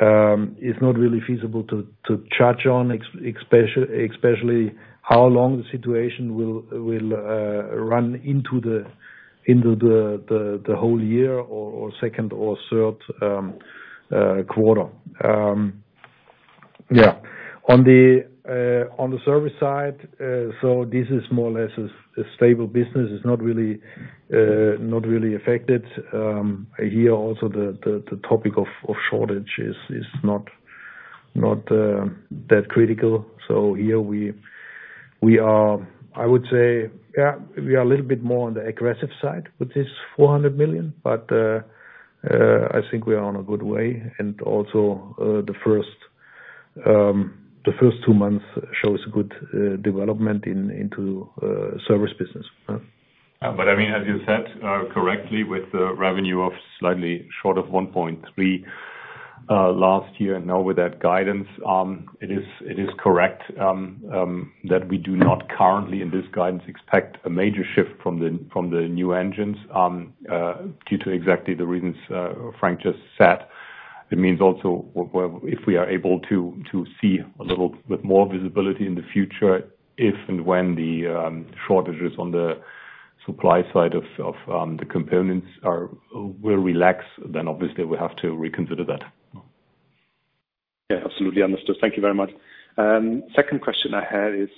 not really feasible to judge on, especially how long the situation will run into the whole year or second or third quarter. Yeah. On the service side, this is more or less a stable business. It's not really affected. Here, also, the topic of shortage is not that critical. Here, I would say, yeah, we are a little bit more on the aggressive side with this 400 million. I think we are on a good way. Also, the first two months show a good development into service business. I mean, as you said correctly, with the revenue of slightly short of 1.3 billion last year and now with that guidance, it is correct that we do not currently in this guidance expect a major shift from the new engines due to exactly the reasons Frank just said. It means also if we are able to see a little bit more visibility in the future, if and when the shortages on the supply side of the components will relax, then obviously, we have to reconsider that. Yeah. Absolutely understood. Thank you very much. Second question I had is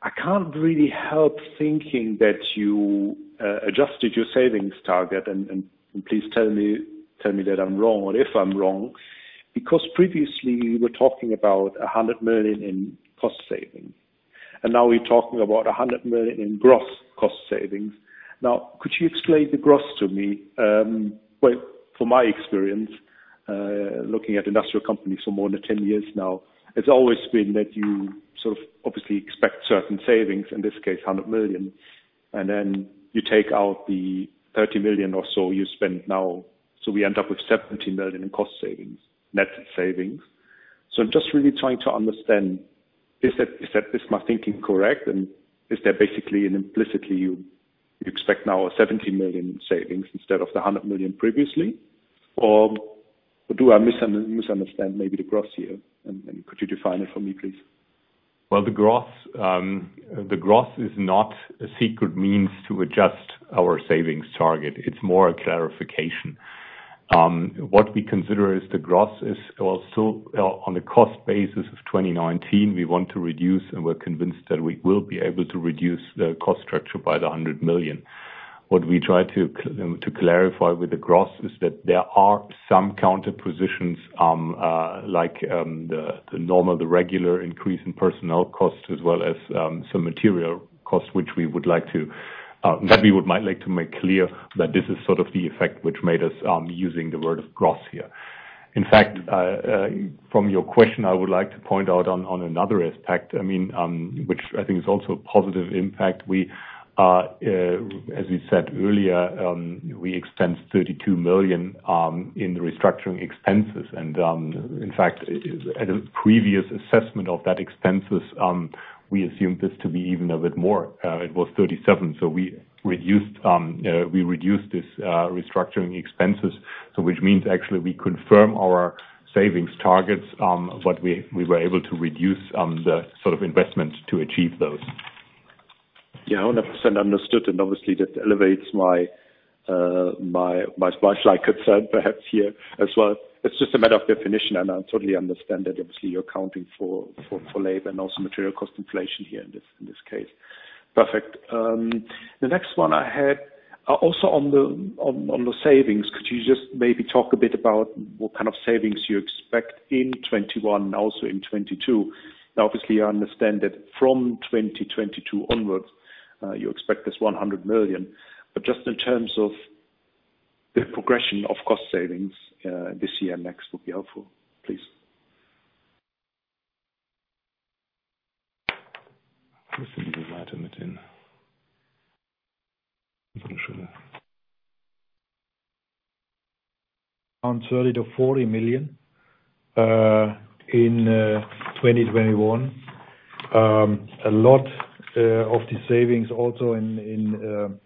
I can't really help thinking that you adjusted your savings target. Please tell me that I'm wrong or if I'm wrong. Because previously, we were talking about 100 million in cost savings. Now we're talking about 100 million in gross cost savings. Now, could you explain the gross to me? From my experience, looking at industrial companies for more than 10 years now, it's always been that you sort of obviously expect certain savings, in this case, 100 million. You take out the 30 million or so you spent now. We end up with 70 million in cost savings, net savings. I'm just really trying to understand, is my thinking correct? Is there basically an implicitly you expect now a 70 million savings instead of the 100 million previously? Do I misunderstand maybe the gross here? Could you define it for me, please? The gross is not a secret means to adjust our savings target. It is more a clarification. What we consider is the gross is still on the cost basis of 2019. We want to reduce, and we're convinced that we will be able to reduce the cost structure by the 100 million. What we try to clarify with the gross is that there are some counterpositions like the normal, the regular increase in personnel costs as well as some material costs, which we would like to make clear that this is sort of the effect which made us using the word of gross here. In fact, from your question, I would like to point out on another aspect, I mean, which I think is also a positive impact. As we said earlier, we expense 32 million in restructuring expenses. And in fact, at a previous assessment of that expenses, we assumed this to be even a bit more. It was 37 million. We reduced this restructuring expenses, which means actually we confirm our savings targets, but we were able to reduce the sort of investment to achieve those. Yeah. 100% understood. Obviously, that elevates my slight concern perhaps here as well. It is just a matter of definition. I totally understand that obviously you are accounting for labor and also material cost inflation here in this case. Perfect. The next one I had also on the savings, could you just maybe talk a bit about what kind of savings you expect in 2021 and also in 2022? Now, obviously, I understand that from 2022 onwards, you expect this 100 million. Just in terms of the progression of cost savings this year and next would be helpful, please. On EUR 30-40 million in 2021. A lot of the savings also in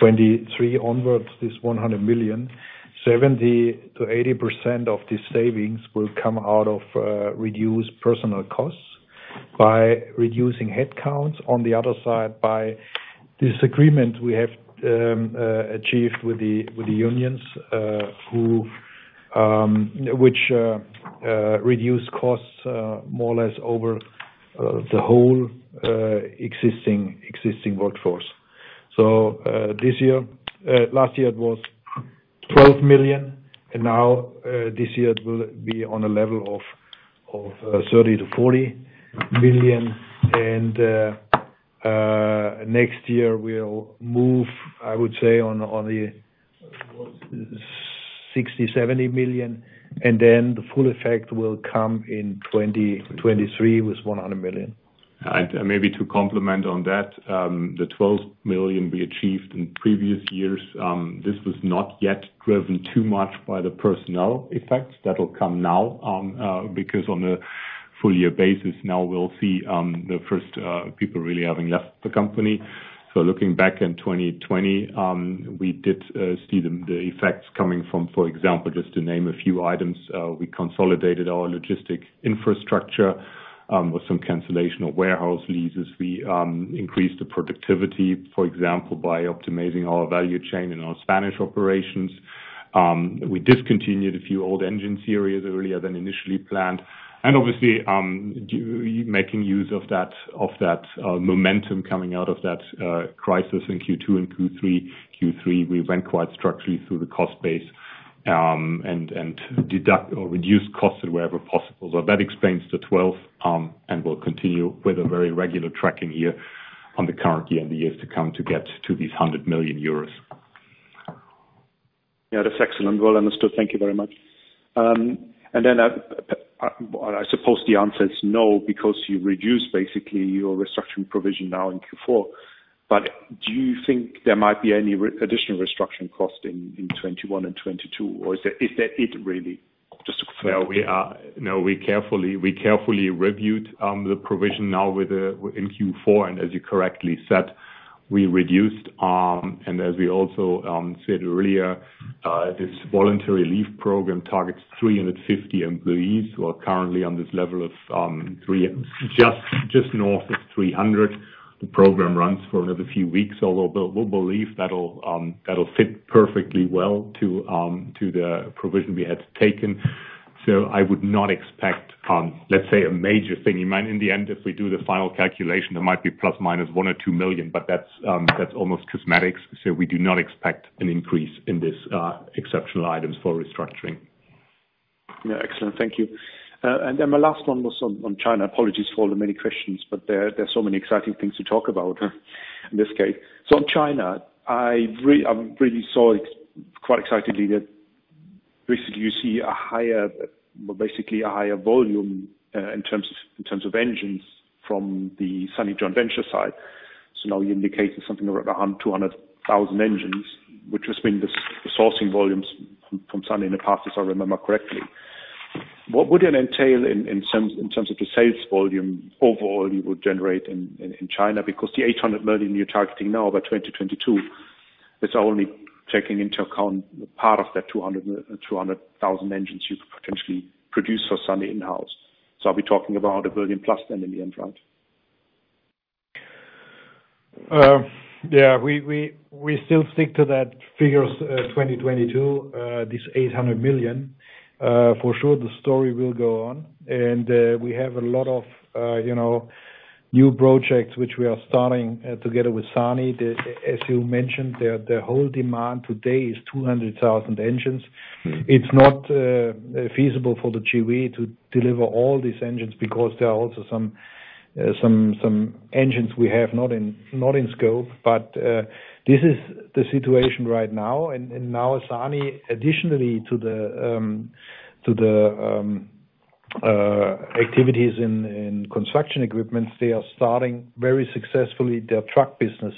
2023 onwards, this 100 million, 70%-80% of the savings will come out of reduced personnel costs by reducing headcounts. On the other side, by this agreement we have achieved with the unions, which reduce costs more or less over the whole existing workforce. Last year, it was 12 million. Now, this year, it will be on a level of 30-40 million. Next year, we'll move, I would say, on the 60-70 million. The full effect will come in 2023 with 100 million. Maybe to complement on that, the 12 million we achieved in previous years, this was not yet driven too much by the personnel effects. That will come now because on a full-year basis, now we'll see the first people really having left the company. Looking back in 2020, we did see the effects coming from, for example, just to name a few items. We consolidated our logistic infrastructure with some cancellation of warehouse leases. We increased the productivity, for example, by optimizing our value chain in our Spanish operations. We discontinued a few old engine series earlier than initially planned. Obviously, making use of that momentum coming out of that crisis in Q2 and Q3. Q3, we went quite structurally through the cost base and reduced costs wherever possible. That explains the 12 and will continue with a very regular tracking here on the current year and the years to come to get to these 100 million euros. Yeah. That's excellent. Well understood. Thank you very much. I suppose the answer is no because you reduced basically your restructuring provision now in Q4. Do you think there might be any additional restructuring cost in 2021 and 2022? Or is that it really? Just to clarify. No, we carefully reviewed the provision now in Q4. As you correctly said, we reduced. As we also said earlier, this voluntary leave program targets 350 employees who are currently on this level of just north of 300. The program runs for another few weeks, although we believe that'll fit perfectly well to the provision we had taken. I would not expect, let's say, a major thing. In the end, if we do the final calculation, there might be plus minus 1 million or 2 million, but that's almost cosmetics. We do not expect an increase in these exceptional items for restructuring. Yeah. Excellent. Thank you. My last one was on China. Apologies for the many questions, but there are so many exciting things to talk about in this case. On China, I really saw quite excitingly that basically you see a higher volume in terms of engines from the SANY joint venture side. Now you indicate something around 200,000 engines, which has been the sourcing volumes from SANY in the past, if I remember correctly. What would it entail in terms of the sales volume overall you would generate in China? Because the 800 million you are targeting now by 2022 is only taking into account part of that 200,000 engines you could potentially produce for SANY in-house. Are we talking about a billion plus then in the end, right? Yeah. We still stick to that figure of 2022, this 800 million. For sure, the story will go on. We have a lot of new projects which we are starting together with SANY. As you mentioned, the whole demand today is 200,000 engines. It is not feasible for DEUTZ to deliver all these engines because there are also some engines we do not have in scope. This is the situation right now. SANY, additionally to the activities in construction equipment, is starting very successfully their truck business.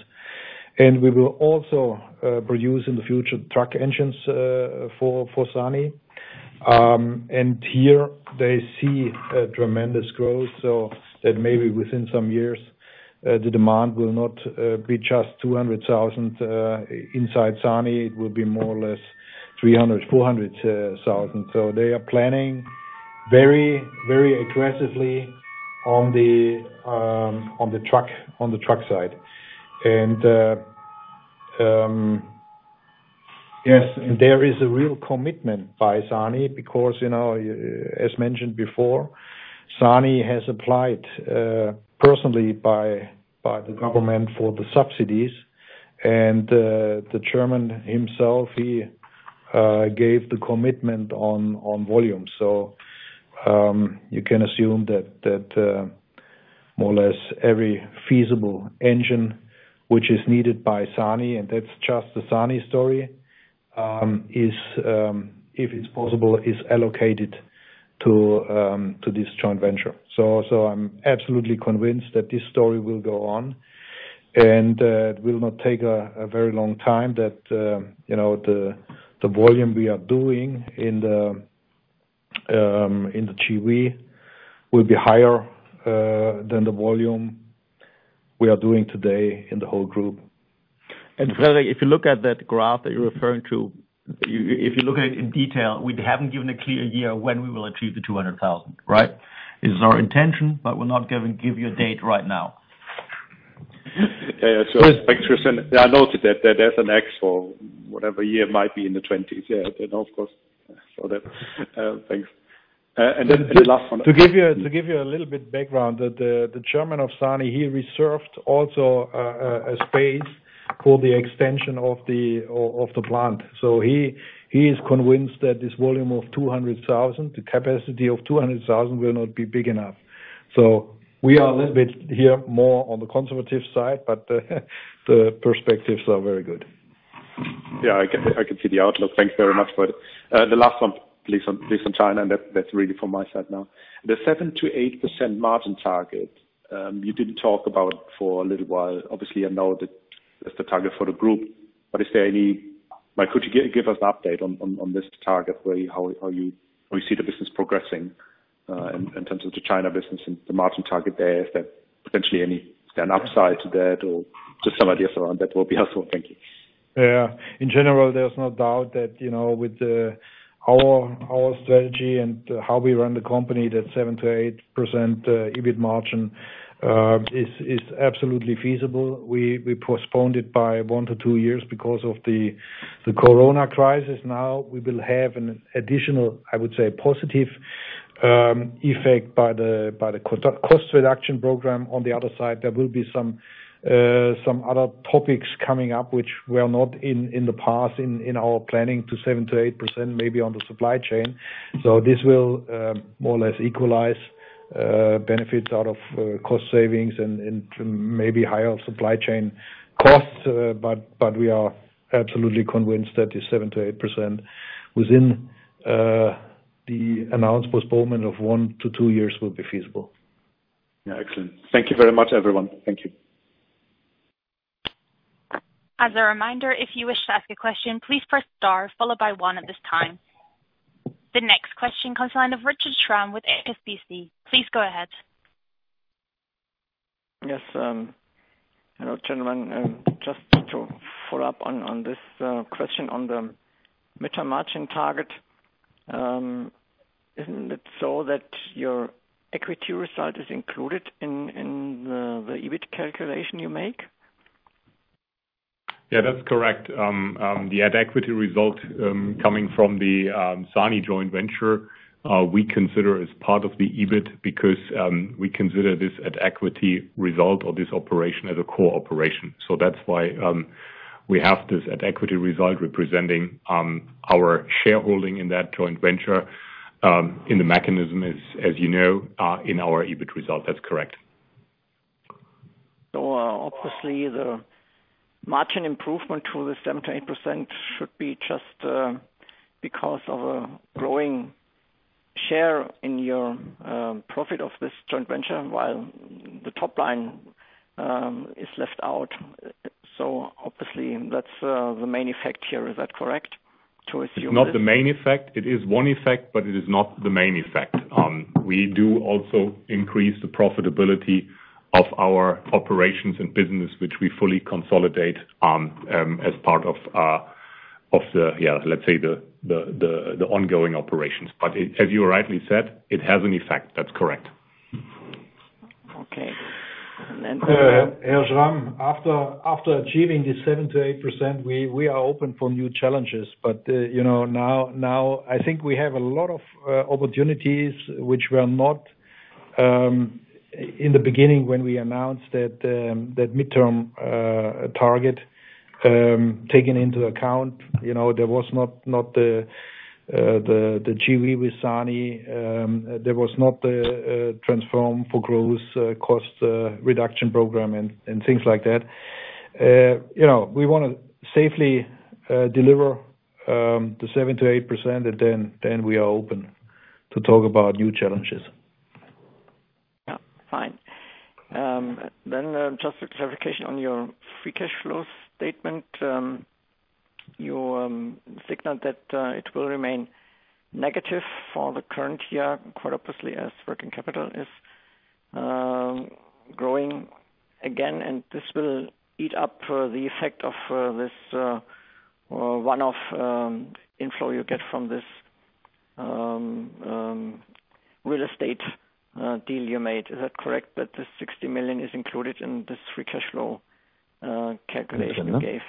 We will also produce in the future truck engines for SANY. Here, they see tremendous growth. That means maybe within some years, the demand will not be just 200,000 inside SANY. It will be more or less 300,000-400,000. They are planning very aggressively on the truck side. Yes, there is a real commitment by SANY because, as mentioned before, SANY has applied personally by the government for the subsidies. The chairman himself gave the commitment on volume. You can assume that more or less every feasible engine which is needed by SANY, and that is just the SANY story, if it is possible, is allocated to this joint venture. I am absolutely convinced that this story will go on. It will not take a very long time before the volume we are doing in the joint venture will be higher than the volume we are doing today in the whole group. If you look at that graph that you are referring to, if you look at it in detail, we have not given a clear year when we will achieve the 200,000, right? It is our intention, but we are not going to give you a date right now. Yeah. I noted that there is an X for whatever year might be in the 2020s. Yeah. Of course. Thanks. The last one. To give you a little bit of background, the chairman of SANY, he reserved also a space for the extension of the plant. He is convinced that this volume of 200,000, the capacity of 200,000 will not be big enough. We are a little bit here more on the conservative side, but the perspectives are very good. Yeah. I can see the outlook. Thanks very much. The last one, please, on China. That is really from my side now. The 7%-8% margin target you did not talk about for a little while. Obviously, I know that is the target for the group. Is there any, could you give us an update on this target, how you see the business progressing in terms of the China business and the margin target there? Is there potentially any upside to that or just some ideas around that will be helpful? Thank you. Yeah. In general, there's no doubt that with our strategy and how we run the company, that 7-8% EBIT margin is absolutely feasible. We postponed it by one to two years because of the corona crisis. Now, we will have an additional, I would say, positive effect by the cost reduction program. On the other side, there will be some other topics coming up which were not in the past in our planning to 7-8% maybe on the supply chain. This will more or less equalize benefits out of cost savings and maybe higher supply chain costs. We are absolutely convinced that this 7-8% within the announced postponement of one to two years will be feasible. Yeah. Excellent. Thank you very much, everyone. Thank you. As a reminder, if you wish to ask a question, please press star followed by one at this time. The next question comes to the line of Richard Schram with SBC. Please go ahead. Yes. Hello, gentlemen. Just to follow up on this question on the meter margin target, isn't it so that your equity result is included in the EBIT calculation you make? Yeah. That's correct. The equity result coming from the SANY joint venture we consider as part of the EBIT because we consider this equity result or this operation as a core operation. That is why we have this equity result representing our shareholding in that joint venture in the mechanism, as you know, in our EBIT result. That's correct. Obviously, the margin improvement to the 7-8% should be just because of a growing share in your profit of this joint venture while the top line is left out. Obviously, that's the main effect here. Is that correct? Not the main effect. It is one effect, but it is not the main effect. We do also increase the profitability of our operations and business, which we fully consolidate as part of the, yeah, let's say, the ongoing operations. As you rightly said, it has an effect. That's correct. Okay. Schram, after achieving this 7-8%, we are open for new challenges. Now, I think we have a lot of opportunities which were not in the beginning when we announced that midterm target taken into account. There was not the GE with SANY. There was not the Transform for Growth cost reduction program and things like that. We want to safely deliver the 7-8%, and then we are open to talk about new challenges. Yeah. Fine. Then just a clarification on your free cash flow statement. You signaled that it will remain negative for the current year, quite obviously, as working capital is growing again. This will eat up the effect of this one-off inflow you get from this real estate deal you made. Is that correct that the 60 million is included in this free cash flow calculation you gave?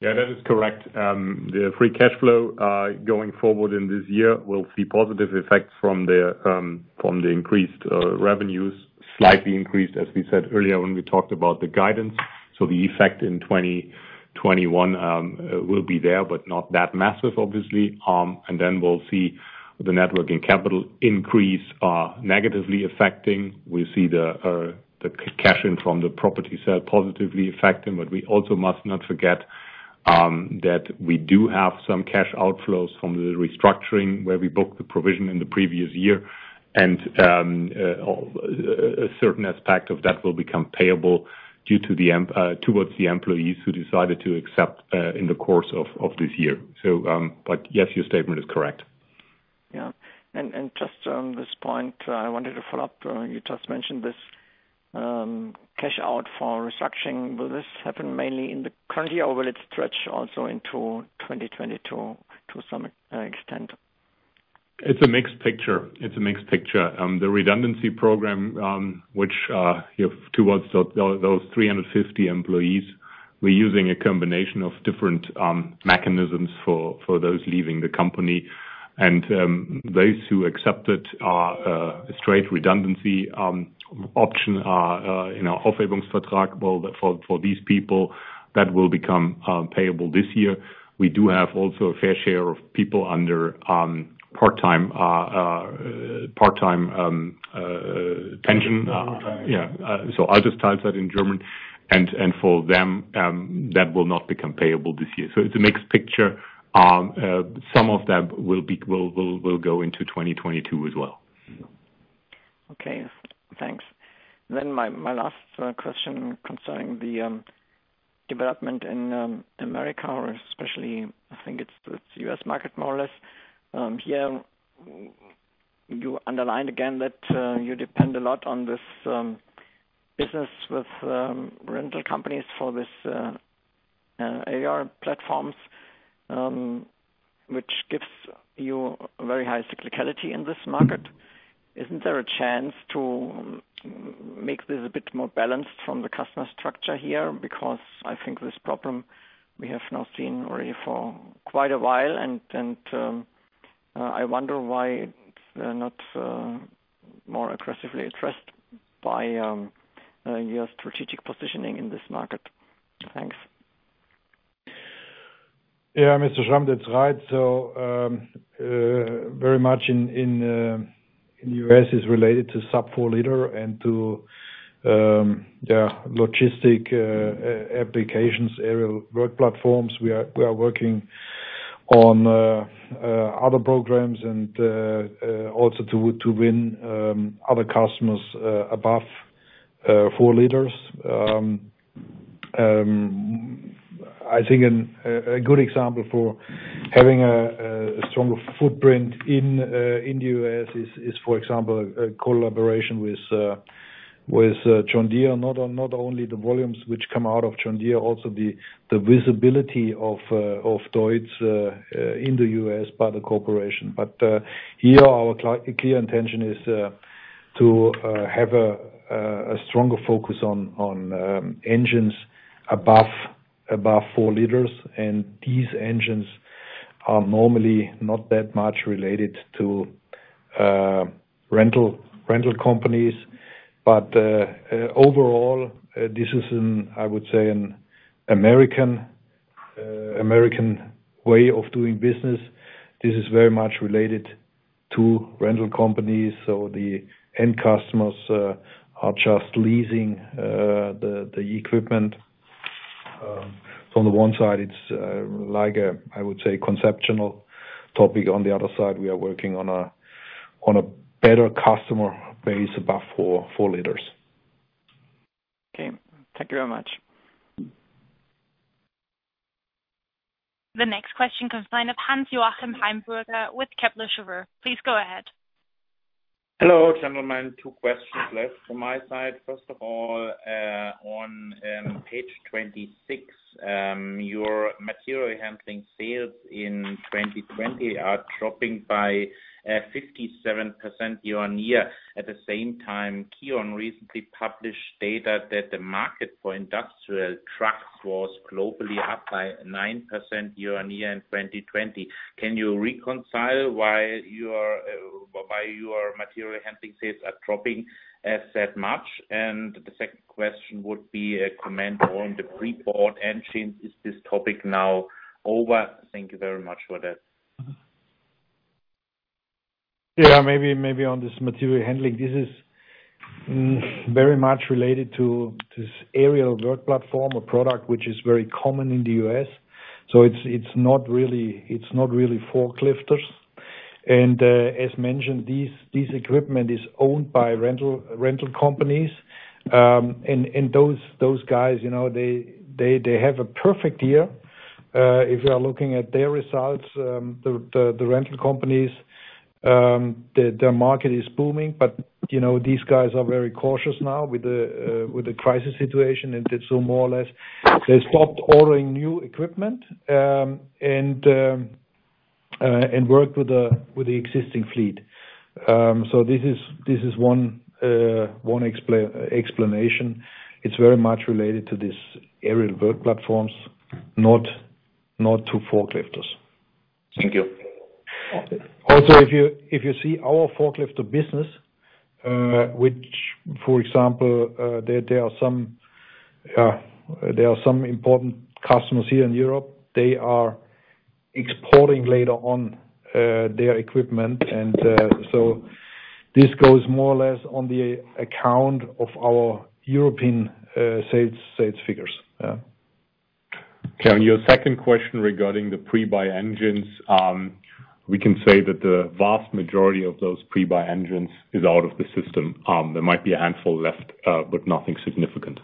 Yeah. That is correct. The free cash flow going forward in this year will see positive effects from the increased revenues, slightly increased, as we said earlier when we talked about the guidance. The effect in 2021 will be there, but not that massive, obviously. We will see the networking capital increase negatively affecting. We see the cash in from the property sale positively affecting. We also must not forget that we do have some cash outflows from the restructuring where we booked the provision in the previous year. A certain aspect of that will become payable towards the employees who decided to accept in the course of this year. Yes, your statement is correct. Yeah. Just on this point, I wanted to follow up. You just mentioned this cash out for restructuring. Will this happen mainly in the current year, or will it stretch also into 2022 to some extent? It's a mixed picture. It's a mixed picture. The redundancy program, which towards those 350 employees, we're using a combination of different mechanisms for those leaving the company. Those who accepted a straight redundancy option in our Aufhebungsvertrag, for these people, that will become payable this year. We do have also a fair share of people under part-time pensions. Yeah. I'll just title that in German. For them, that will not become payable this year. It is a mixed picture. Some of them will go into 2022 as well. Okay. Thanks. My last question concerning the development in America, or especially, I think it is the US market more or less. Here, you underlined again that you depend a lot on this business with rental companies for these AR platforms, which gives you very high cyclicality in this market. Is not there a chance to make this a bit more balanced from the customer structure here? I think this problem we have now seen already for quite a while. I wonder why it's not more aggressively addressed by your strategic positioning in this market. Thanks. Yeah. Mr. Schram, that's right. Very much in the U.S. is related to sub-4-liter and to, yeah, logistic applications, aerial work platforms. We are working on other programs and also to win other customers above 4 liters. I think a good example for having a stronger footprint in the U.S. is, for example, a collaboration with John Deere. Not only the volumes which come out of John Deere, also the visibility of DEUTZ in the U.S. by the corporation. Here, our clear intention is to have a stronger focus on engines above 4 liters. These engines are normally not that much related to rental companies. Overall, this is, I would say, an American way of doing business. This is very much related to rental companies. The end customers are just leasing the equipment. On the one side, it's like a, I would say, conceptual topic. On the other side, we are working on a better customer base above 4 liters. Thank you very much. The next question comes to the line of Hans-Joachim Heimburger with Kepler Cheuvreux. Please go ahead. Hello, gentlemen. Two questions left from my side. First of all, on page 26, your material handling sales in 2020 are dropping by 57% year on year. At the same time, Kion recently published data that the market for industrial trucks was globally up by 9% year on year in 2020. Can you reconcile why your material handling sales are dropping that much? The second question would be a comment on the pre-board engines. Is this topic now over? Thank you very much for that. Yeah. Maybe on this material handling, this is very much related to this aerial work platform or product which is very common in the U.S. It is not really forklifters. As mentioned, this equipment is owned by rental companies. Those guys have a perfect year. If you are looking at their results, the rental companies, their market is booming. These guys are very cautious now with the crisis situation. More or less, they stopped ordering new equipment and worked with the existing fleet. This is one explanation. It is very much related to these aerial work platforms, not to forklifters. Thank you. Also, if you see our forklifter business, for example, there are some important customers here in Europe. They are exporting later on their equipment. This goes more or less on the account of our European sales figures. Yeah. Okay. On your second question regarding the pre-buy engines, we can say that the vast majority of those pre-buy engines is out of the system. There might be a handful left, but nothing significant.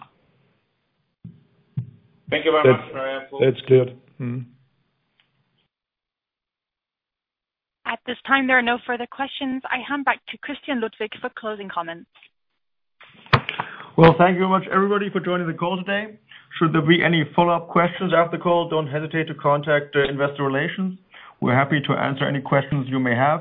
Thank you very much, Mr. Schram. That is clear. At this time, there are no further questions. I hand back to Christian Ludwig for closing comments. Thank you very much, everybody, for joining the call today. Should there be any follow-up questions after the call, do not hesitate to contact Investor Relations. We are happy to answer any questions you may have.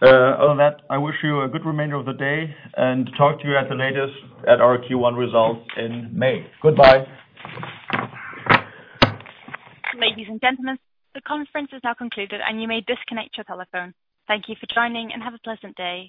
Other than that, I wish you a good remainder of the day and talk to you at the latest at our Q1 results in May. Goodbye. Ladies and gentlemen, the conference is now concluded, and you may disconnect your telephone. Thank you for joining, and have a pleasant day.